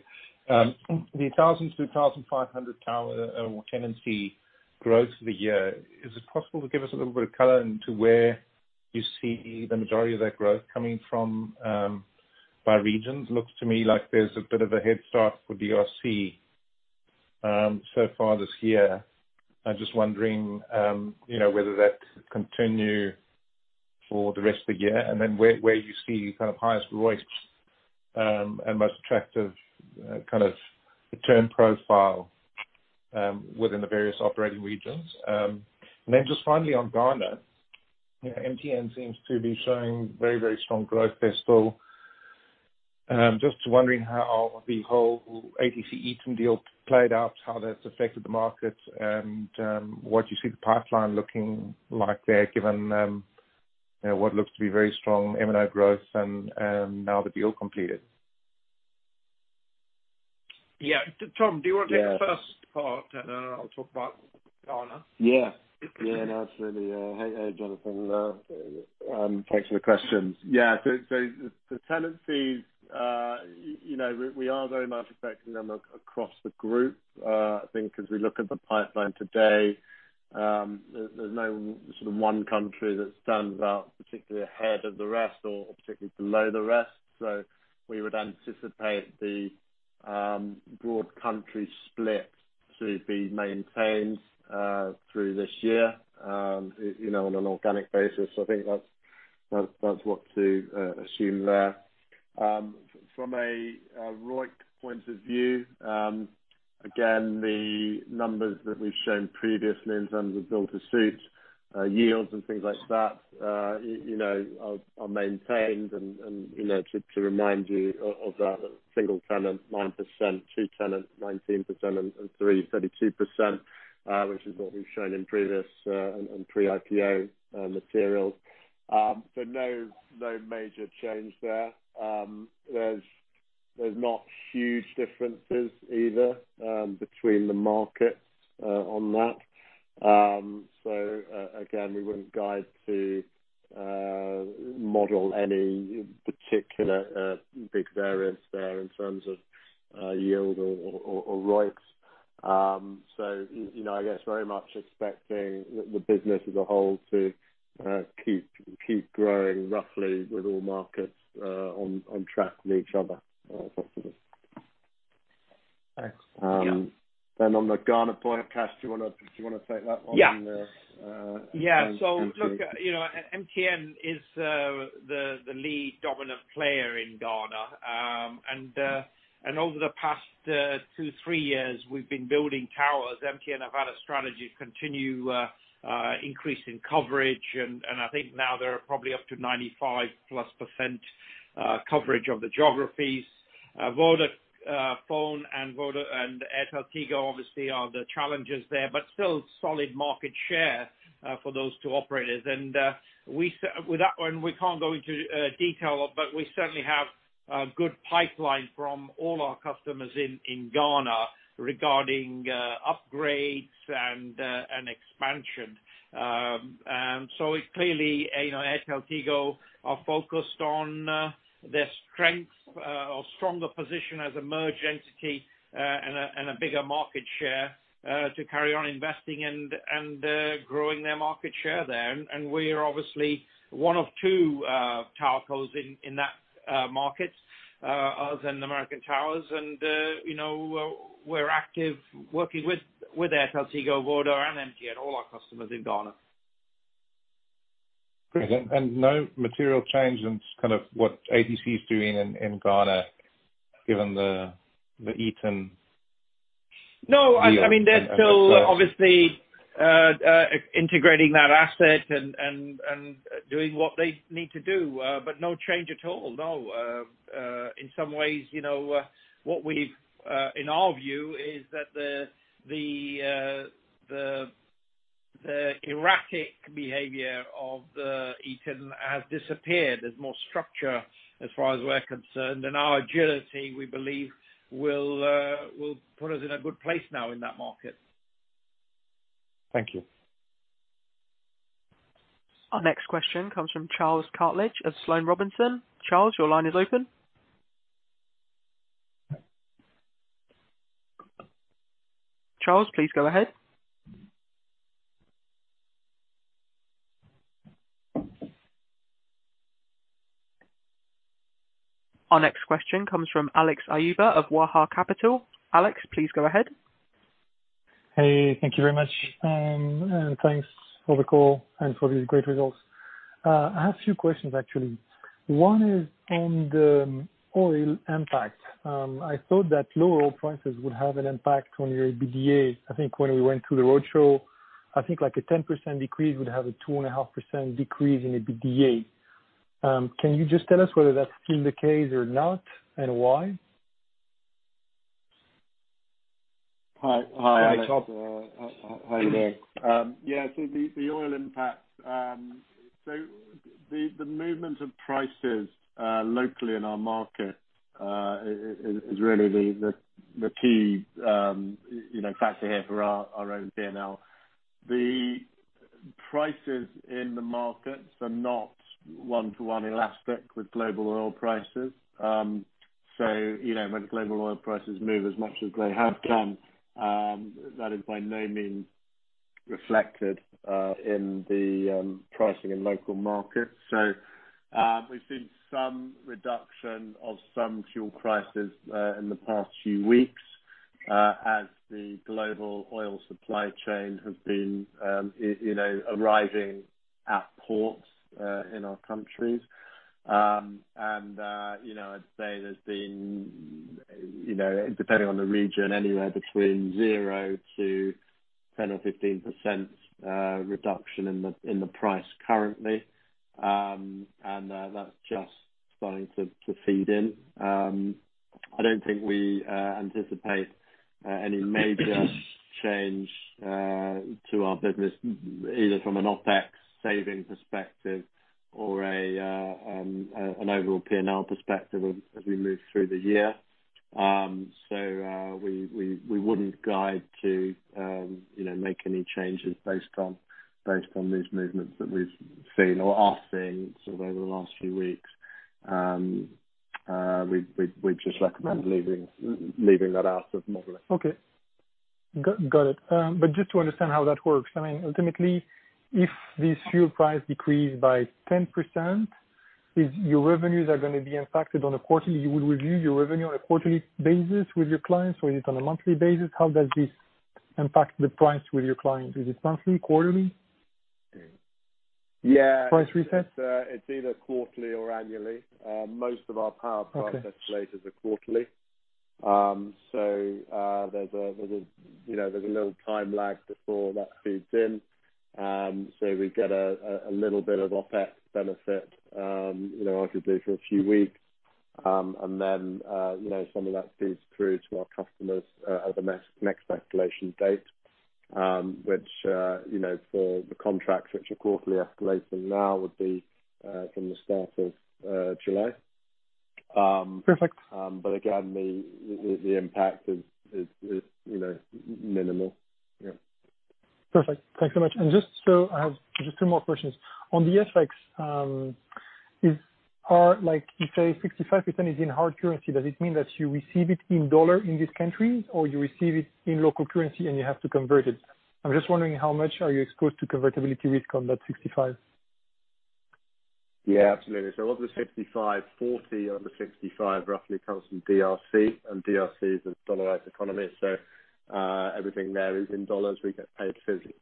The 1,000 to 1,500 tower tenancy growth for the year, is it possible to give us a little bit of color into where you see the majority of that growth coming from by regions? Looks to me like there's a bit of a head start for DRC so far this year. I'm just wondering whether that continue for the rest of the year, and then where you see highest ROIC and most attractive kind of return profile within the various operating regions. Just finally on Ghana, MTN seems to be showing very strong growth. Just wondering how the whole ATC Eaton deal played out, how that's affected the market, and what you see the pipeline looking like there, given what looks to be very strong M&A growth and now the deal completed. Yeah. Tom, do you want to take the first part, and then I'll talk about Ghana? Yeah. Absolutely. Hey, Jonathan. Thanks for the questions. Yeah. The tenancies, we are very much affecting them across the group. I think as we look at the pipeline today, there's no one country that stands out particularly ahead of the rest or particularly below the rest. We would anticipate the broad country split to be maintained through this year on an organic basis. I think that's what to assume there. From a ROIC point of view, again, the numbers that we've shown previously in terms of build-to-suit, yields and things like that are maintained. To remind you of that, single tenant 9%, two tenant 19%, and three 32%, which is what we've shown in previous and pre-IPO materials. No major change there. There's not huge differences either between the markets on that. Again, we wouldn't guide to model any particular big variance there in terms of yield or ROICs. I guess very much expecting the business as a whole to keep growing roughly with all markets on track with each other going forward. Thanks. On the Ghana point, Kash, do you want to take that one? Look, MTN is the lead dominant player in Ghana. Over the past two, three years, we've been building towers. MTN have had a strategy to continue increasing coverage, and I think now they're probably up to 95%+ coverage of the geographies. Vodafone and AirtelTigo, obviously, are the challengers there, but still solid market share for those two operators. With that one, we can't go into detail, but we certainly have a good pipeline from all our customers in Ghana regarding upgrades and expansion. Clearly, AirtelTigo are focused on their strength or stronger position as a merged entity and a bigger market share to carry on investing and growing their market share there. We are obviously one of two towercos in that market, other than American Tower. We're active working with AirtelTigo, Voda, and MTN, all our customers in Ghana. Great. No material change in what ATC is doing in Ghana, given the Eaton deal? No. They're still obviously integrating that asset and doing what they need to do, but no change at all, no. In some ways, what we've, in our view, is that the erratic behavior of Eaton has disappeared. There's more structure as far as we're concerned, and our agility, we believe, will put us in a good place now in that market. Thank you. Our next question comes from Charles Cartledge of Sloane Robinson. Charles, your line is open. Charles, please go ahead. Our next question comes from Alex Ayoub of Waha Capital. Alex, please go ahead. Hey, thank you very much. Thanks for the call and for these great results. I have two questions, actually. One is on the oil impact. I thought that low oil prices would have an impact on your EBITDA. I think when we went through the roadshow, I think a 10% decrease would have a two-and-a-half % decrease in EBITDA. Can you just tell us whether that's still the case or not, and why? Hi, Alex. Hi there. Yeah. The oil impact. The movement of prices locally in our market is really the key factor here for our own P&L. The prices in the markets are not one-to-one elastic with global oil prices. When global oil prices move as much as they have done, that is by no means reflected in the pricing in local markets. We've seen some reduction of some fuel prices in the past few weeks as the global oil supply chain has been arriving at ports in our countries. I'd say there's been, depending on the region, anywhere between zero to 10% or 15% reduction in the price currently. That's just starting to feed in. I don't think we anticipate any major change to our business, either from an OpEx savings perspective or an overall P&L perspective as we move through the year. We wouldn't guide to make any changes based on these movements that we've seen or are seeing sort of over the last few weeks. We'd just recommend leaving that out of modeling. Okay. Got it. Just to understand how that works, ultimately, if this fuel price decreased by 10%, your revenues are going to be impacted. You would review your revenue on a quarterly basis with your clients, or is it on a monthly basis? How does this impact the price with your client? Is it monthly, quarterly? Yeah. Price reset. It's either quarterly or annually. Okay price escalators are quarterly. There's a little time lag before that feeds in. We get a little bit of OpEx benefit arguably for a few weeks, and then some of that feeds through to our customers at the next escalation date, which for the contracts which are quarterly escalating now would be from the start of July. Perfect. Again, the impact is minimal. Yeah. Perfect. Thanks so much. I have just two more questions. On the FX, you say 65% is in hard currency. Does it mean that you receive it in US dollar in this country, or you receive it in local currency, and you have to convert it? I'm just wondering how much are you exposed to convertibility risk on that 65%? Absolutely. Of the 65, 40, under 65 roughly comes from DRC. DRC is a dollarized economy, everything there is in dollars. We get paid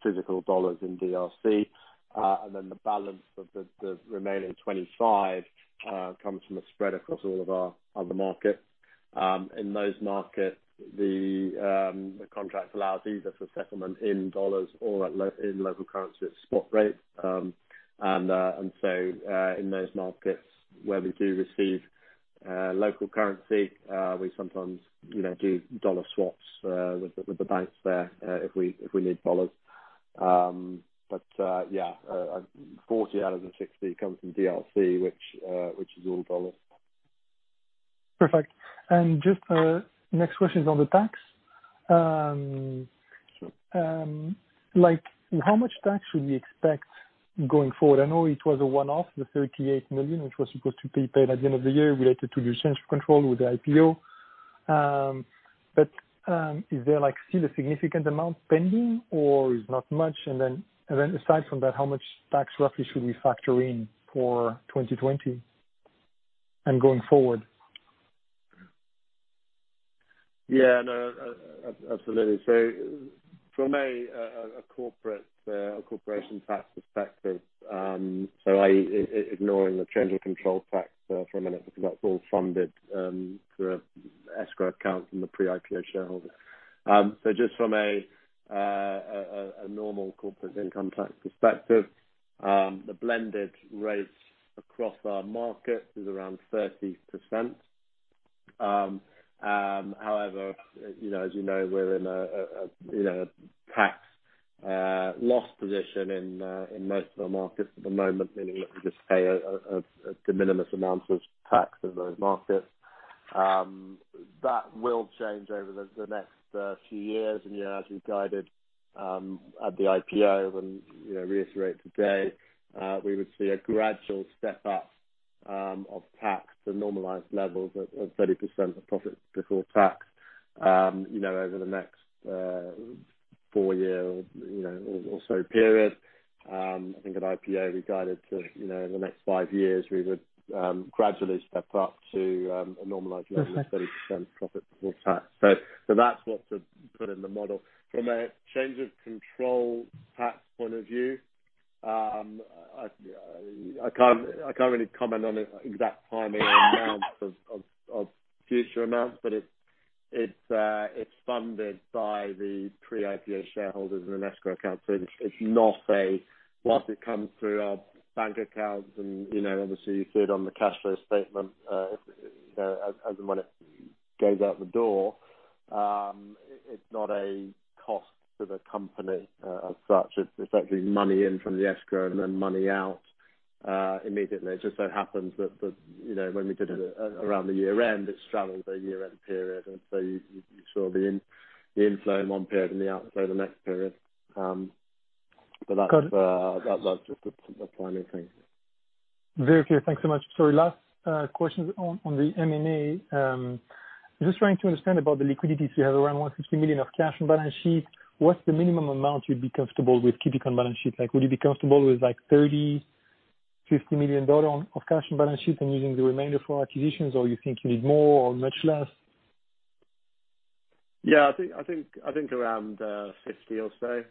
physical dollars in DRC. The balance of the remaining 25 comes from the spread across all of our other markets. In those markets, the contract allows either for settlement in dollars or in local currency at spot rate. In those markets where we do receive local currency, we sometimes do dollar swaps with the banks there if we need dollars. 40 out of the 60 comes from DRC, which is all dollars. Perfect. Just next question is on the tax. How much tax should we expect going forward? I know it was a one-off, the $38 million, which was supposed to be paid at the end of the year related to your change of control with the IPO. Is there still a significant amount pending, or is it not much? Aside from that, how much tax roughly should we factor in for 2020 and going forward? No, absolutely. From a corporation tax perspective, ignoring the change of control tax for a minute, because that's all funded through an escrow account from the pre-IPO shareholder. Just from a normal corporate income tax perspective, the blended rates across our markets is around 30%. However, as you know, we're in a tax loss position in most of our markets at the moment, meaning that we just pay a de minimis amount of tax in those markets. That will change over the next few years. As we guided at the IPO and reiterate today, we would see a gradual step up of tax to normalized levels of 30% of profits before tax over the next four year or so period. I think at IPO, we guided to the next five years, we would gradually step up to a normalized level of 30% profit before tax. That's what to put in the model. From a change of control tax point of view, I can't really comment on exact timing and amounts of future amounts, but it's funded by the pre-IPO shareholders in an escrow account. Once it comes through our bank accounts, and obviously you see it on the cash flow statement as the money goes out the door, it's not a cost to the company as such. It's actually money in from the escrow and then money out immediately. It just so happens that when we did it around the year-end, it straddled the year-end period, and so you saw the inflow in one period and the outflow the next period. That's just a timing thing. Very clear. Thanks so much. Sorry, last question on the M&A. Just trying to understand about the liquidity. You have around $160 million of cash on balance sheet. What's the minimum amount you'd be comfortable with keeping on balance sheet? Would you be comfortable with $30 million, $50 million of cash on balance sheet and using the remainder for acquisitions, or you think you need more or much less? Yeah, I think around 50 or so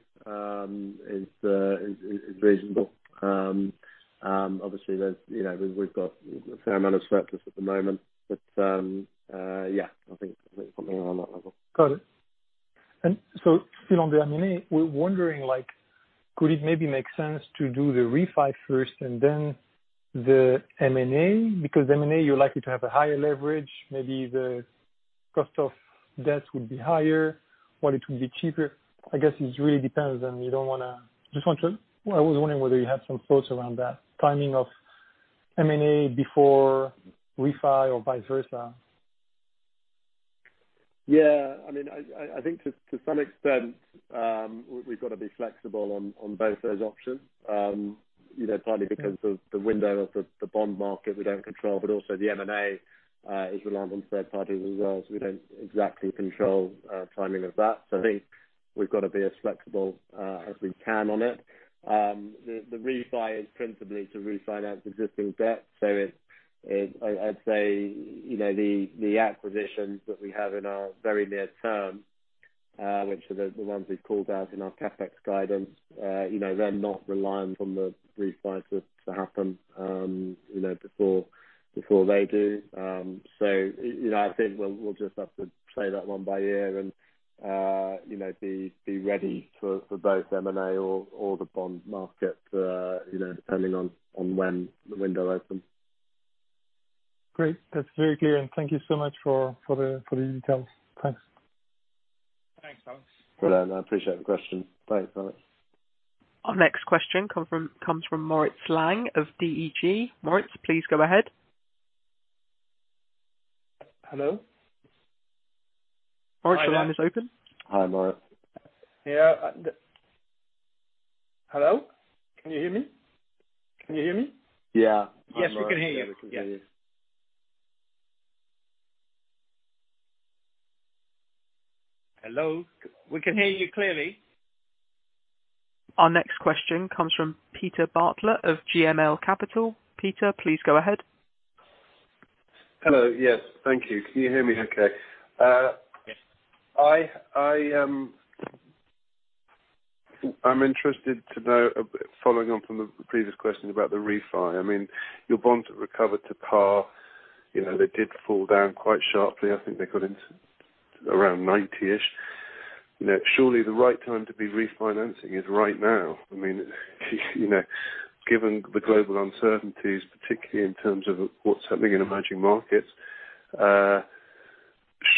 is reasonable. Obviously, we've got a fair amount of surplus at the moment. Yeah, I think something around that level. Got it. Still on the M&A, we're wondering, could it maybe make sense to do the refi first and then the M&A? M&A, you're likely to have a higher leverage, maybe the cost of debts would be higher. While it would be cheaper, I guess it really depends. I was wondering whether you had some thoughts around that timing of M&A before refi or vice versa. Yeah. I think to some extent, we've got to be flexible on both those options. Partly because of the window of the bond market we don't control, but also the M&A is reliant on third parties as well, we don't exactly control timing of that. I think we've got to be as flexible as we can on it. The refi is principally to refinance existing debt. I'd say the acquisitions that we have in our very near term, which are the ones we've called out in our CapEx guidance, they're not reliant on the refi to happen before they do. I think we'll just have to play that one by ear and be ready for both M&A or the bond market, depending on when the window opens. Great. That's very clear, and thank you so much for the details. Thanks. Thanks, Alex. No, I appreciate the question. Thanks, Alex. Our next question comes from Moritz Baldsiefer of DEG. Moritz, please go ahead. Hello? Moritz, your line is open. Hi, Moritz. Yeah. Hello? Can you hear me? Yeah. Yes, we can hear you. Hello. We can hear you clearly. Our next question comes from Peter Bartlett of GML Capital. Peter, please go ahead. Hello. Yes. Thank you. Can you hear me okay? Yes. I'm interested to know, following on from the previous question about the refi. I mean, your bonds have recovered to par. They did fall down quite sharply. I think they got into around 90-ish. Surely the right time to be refinancing is right now. I mean, given the global uncertainties, particularly in terms of what's happening in emerging markets.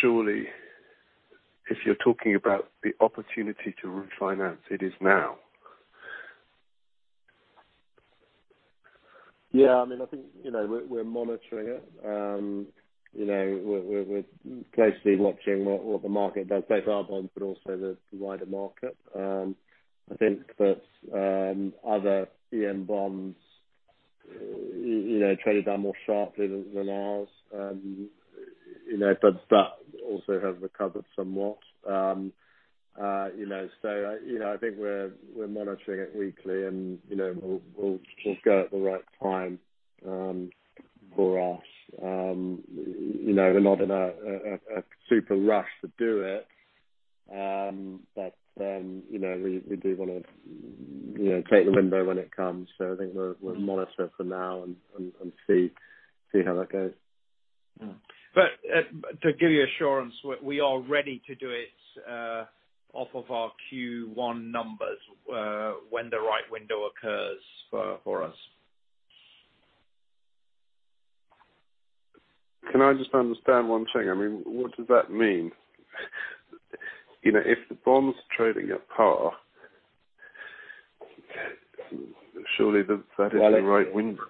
Surely, if you're talking about the opportunity to refinance, it is now. Yeah. I think we're monitoring it. We're closely watching what the market does, both our bonds but also the wider market. I think that other EM bonds traded down more sharply than ours, but that also has recovered somewhat. I think we're monitoring it weekly, and we'll go at the right time for us. We're not in a super rush to do it, but we do want to take the window when it comes. I think we'll monitor for now and see how that goes. To give you assurance, we are ready to do it off of our Q1 numbers when the right window occurs for us. Can I just understand one thing? I mean, what does that mean? If the bond's trading at par, surely that is the right window.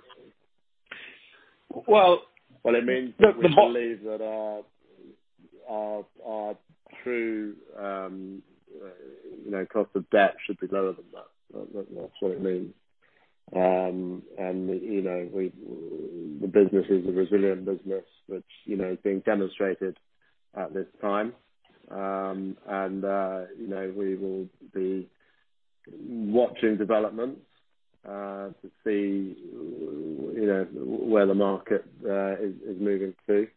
Well, it means that we believe that our true cost of debt should be lower than that. That's what it means. The business is a resilient business, which is being demonstrated at this time. We will be watching developments to see where the market is moving to.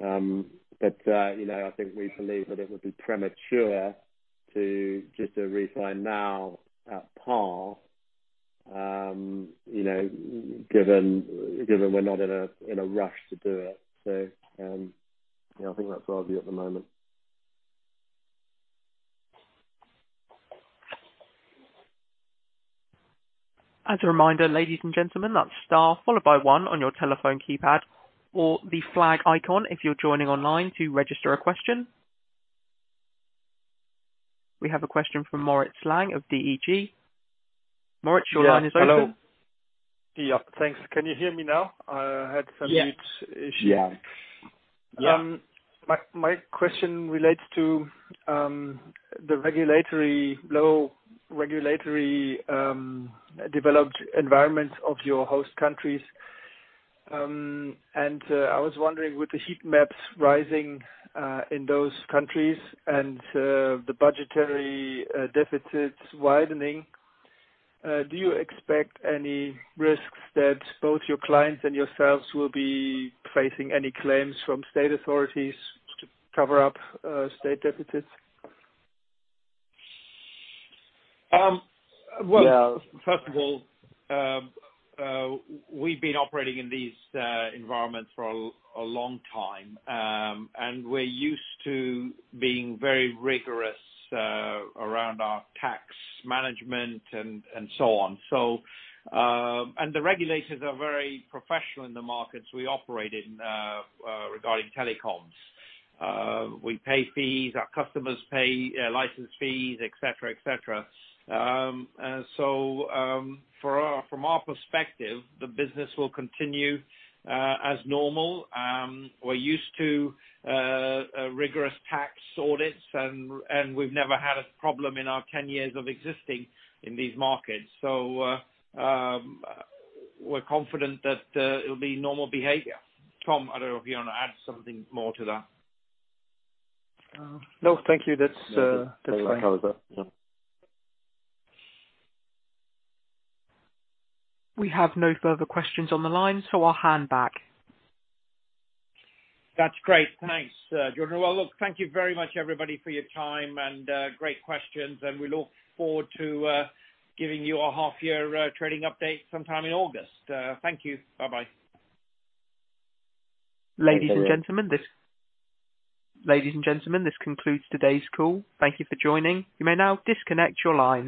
I think we believe that it would be premature to just refi now at par, given we're not in a rush to do it. I think that's our view at the moment. As a reminder, ladies and gentlemen, that's star followed by one on your telephone keypad or the flag icon, if you're joining online, to register a question. We have a question from Moritz Lang of DEG. Moritz, your line is open. Yeah. Hello. Yeah. Thanks. Can you hear me now? I had some mute issues. Yeah. My question relates to the low regulatory developed environments of your host countries. I was wondering, with the heat maps rising in those countries and the budgetary deficits widening, do you expect any risks that both your clients and yourselves will be facing any claims from state authorities to cover up state deficits? Well, first of all, we've been operating in these environments for a long time. We're used to being very rigorous around our tax management and so on. The regulators are very professional in the markets we operate in regarding telecoms. We pay fees, our customers pay license fees, et cetera. From our perspective, the business will continue as normal. We're used to rigorous tax audits and we've never had a problem in our 10 years of existing in these markets. We're confident that it'll be normal behavior. Tom, I don't know if you want to add something more to that. No, thank you. That's fine. That covers it. Yeah. We have no further questions on the line, so I'll hand back. That's great. Thanks, Jordan. Well, look, thank you very much, everybody, for your time and great questions, and we look forward to giving you a half year trading update sometime in August. Thank you. Bye-bye. Ladies and gentlemen, this concludes today's call. Thank you for joining. You may now disconnect your lines.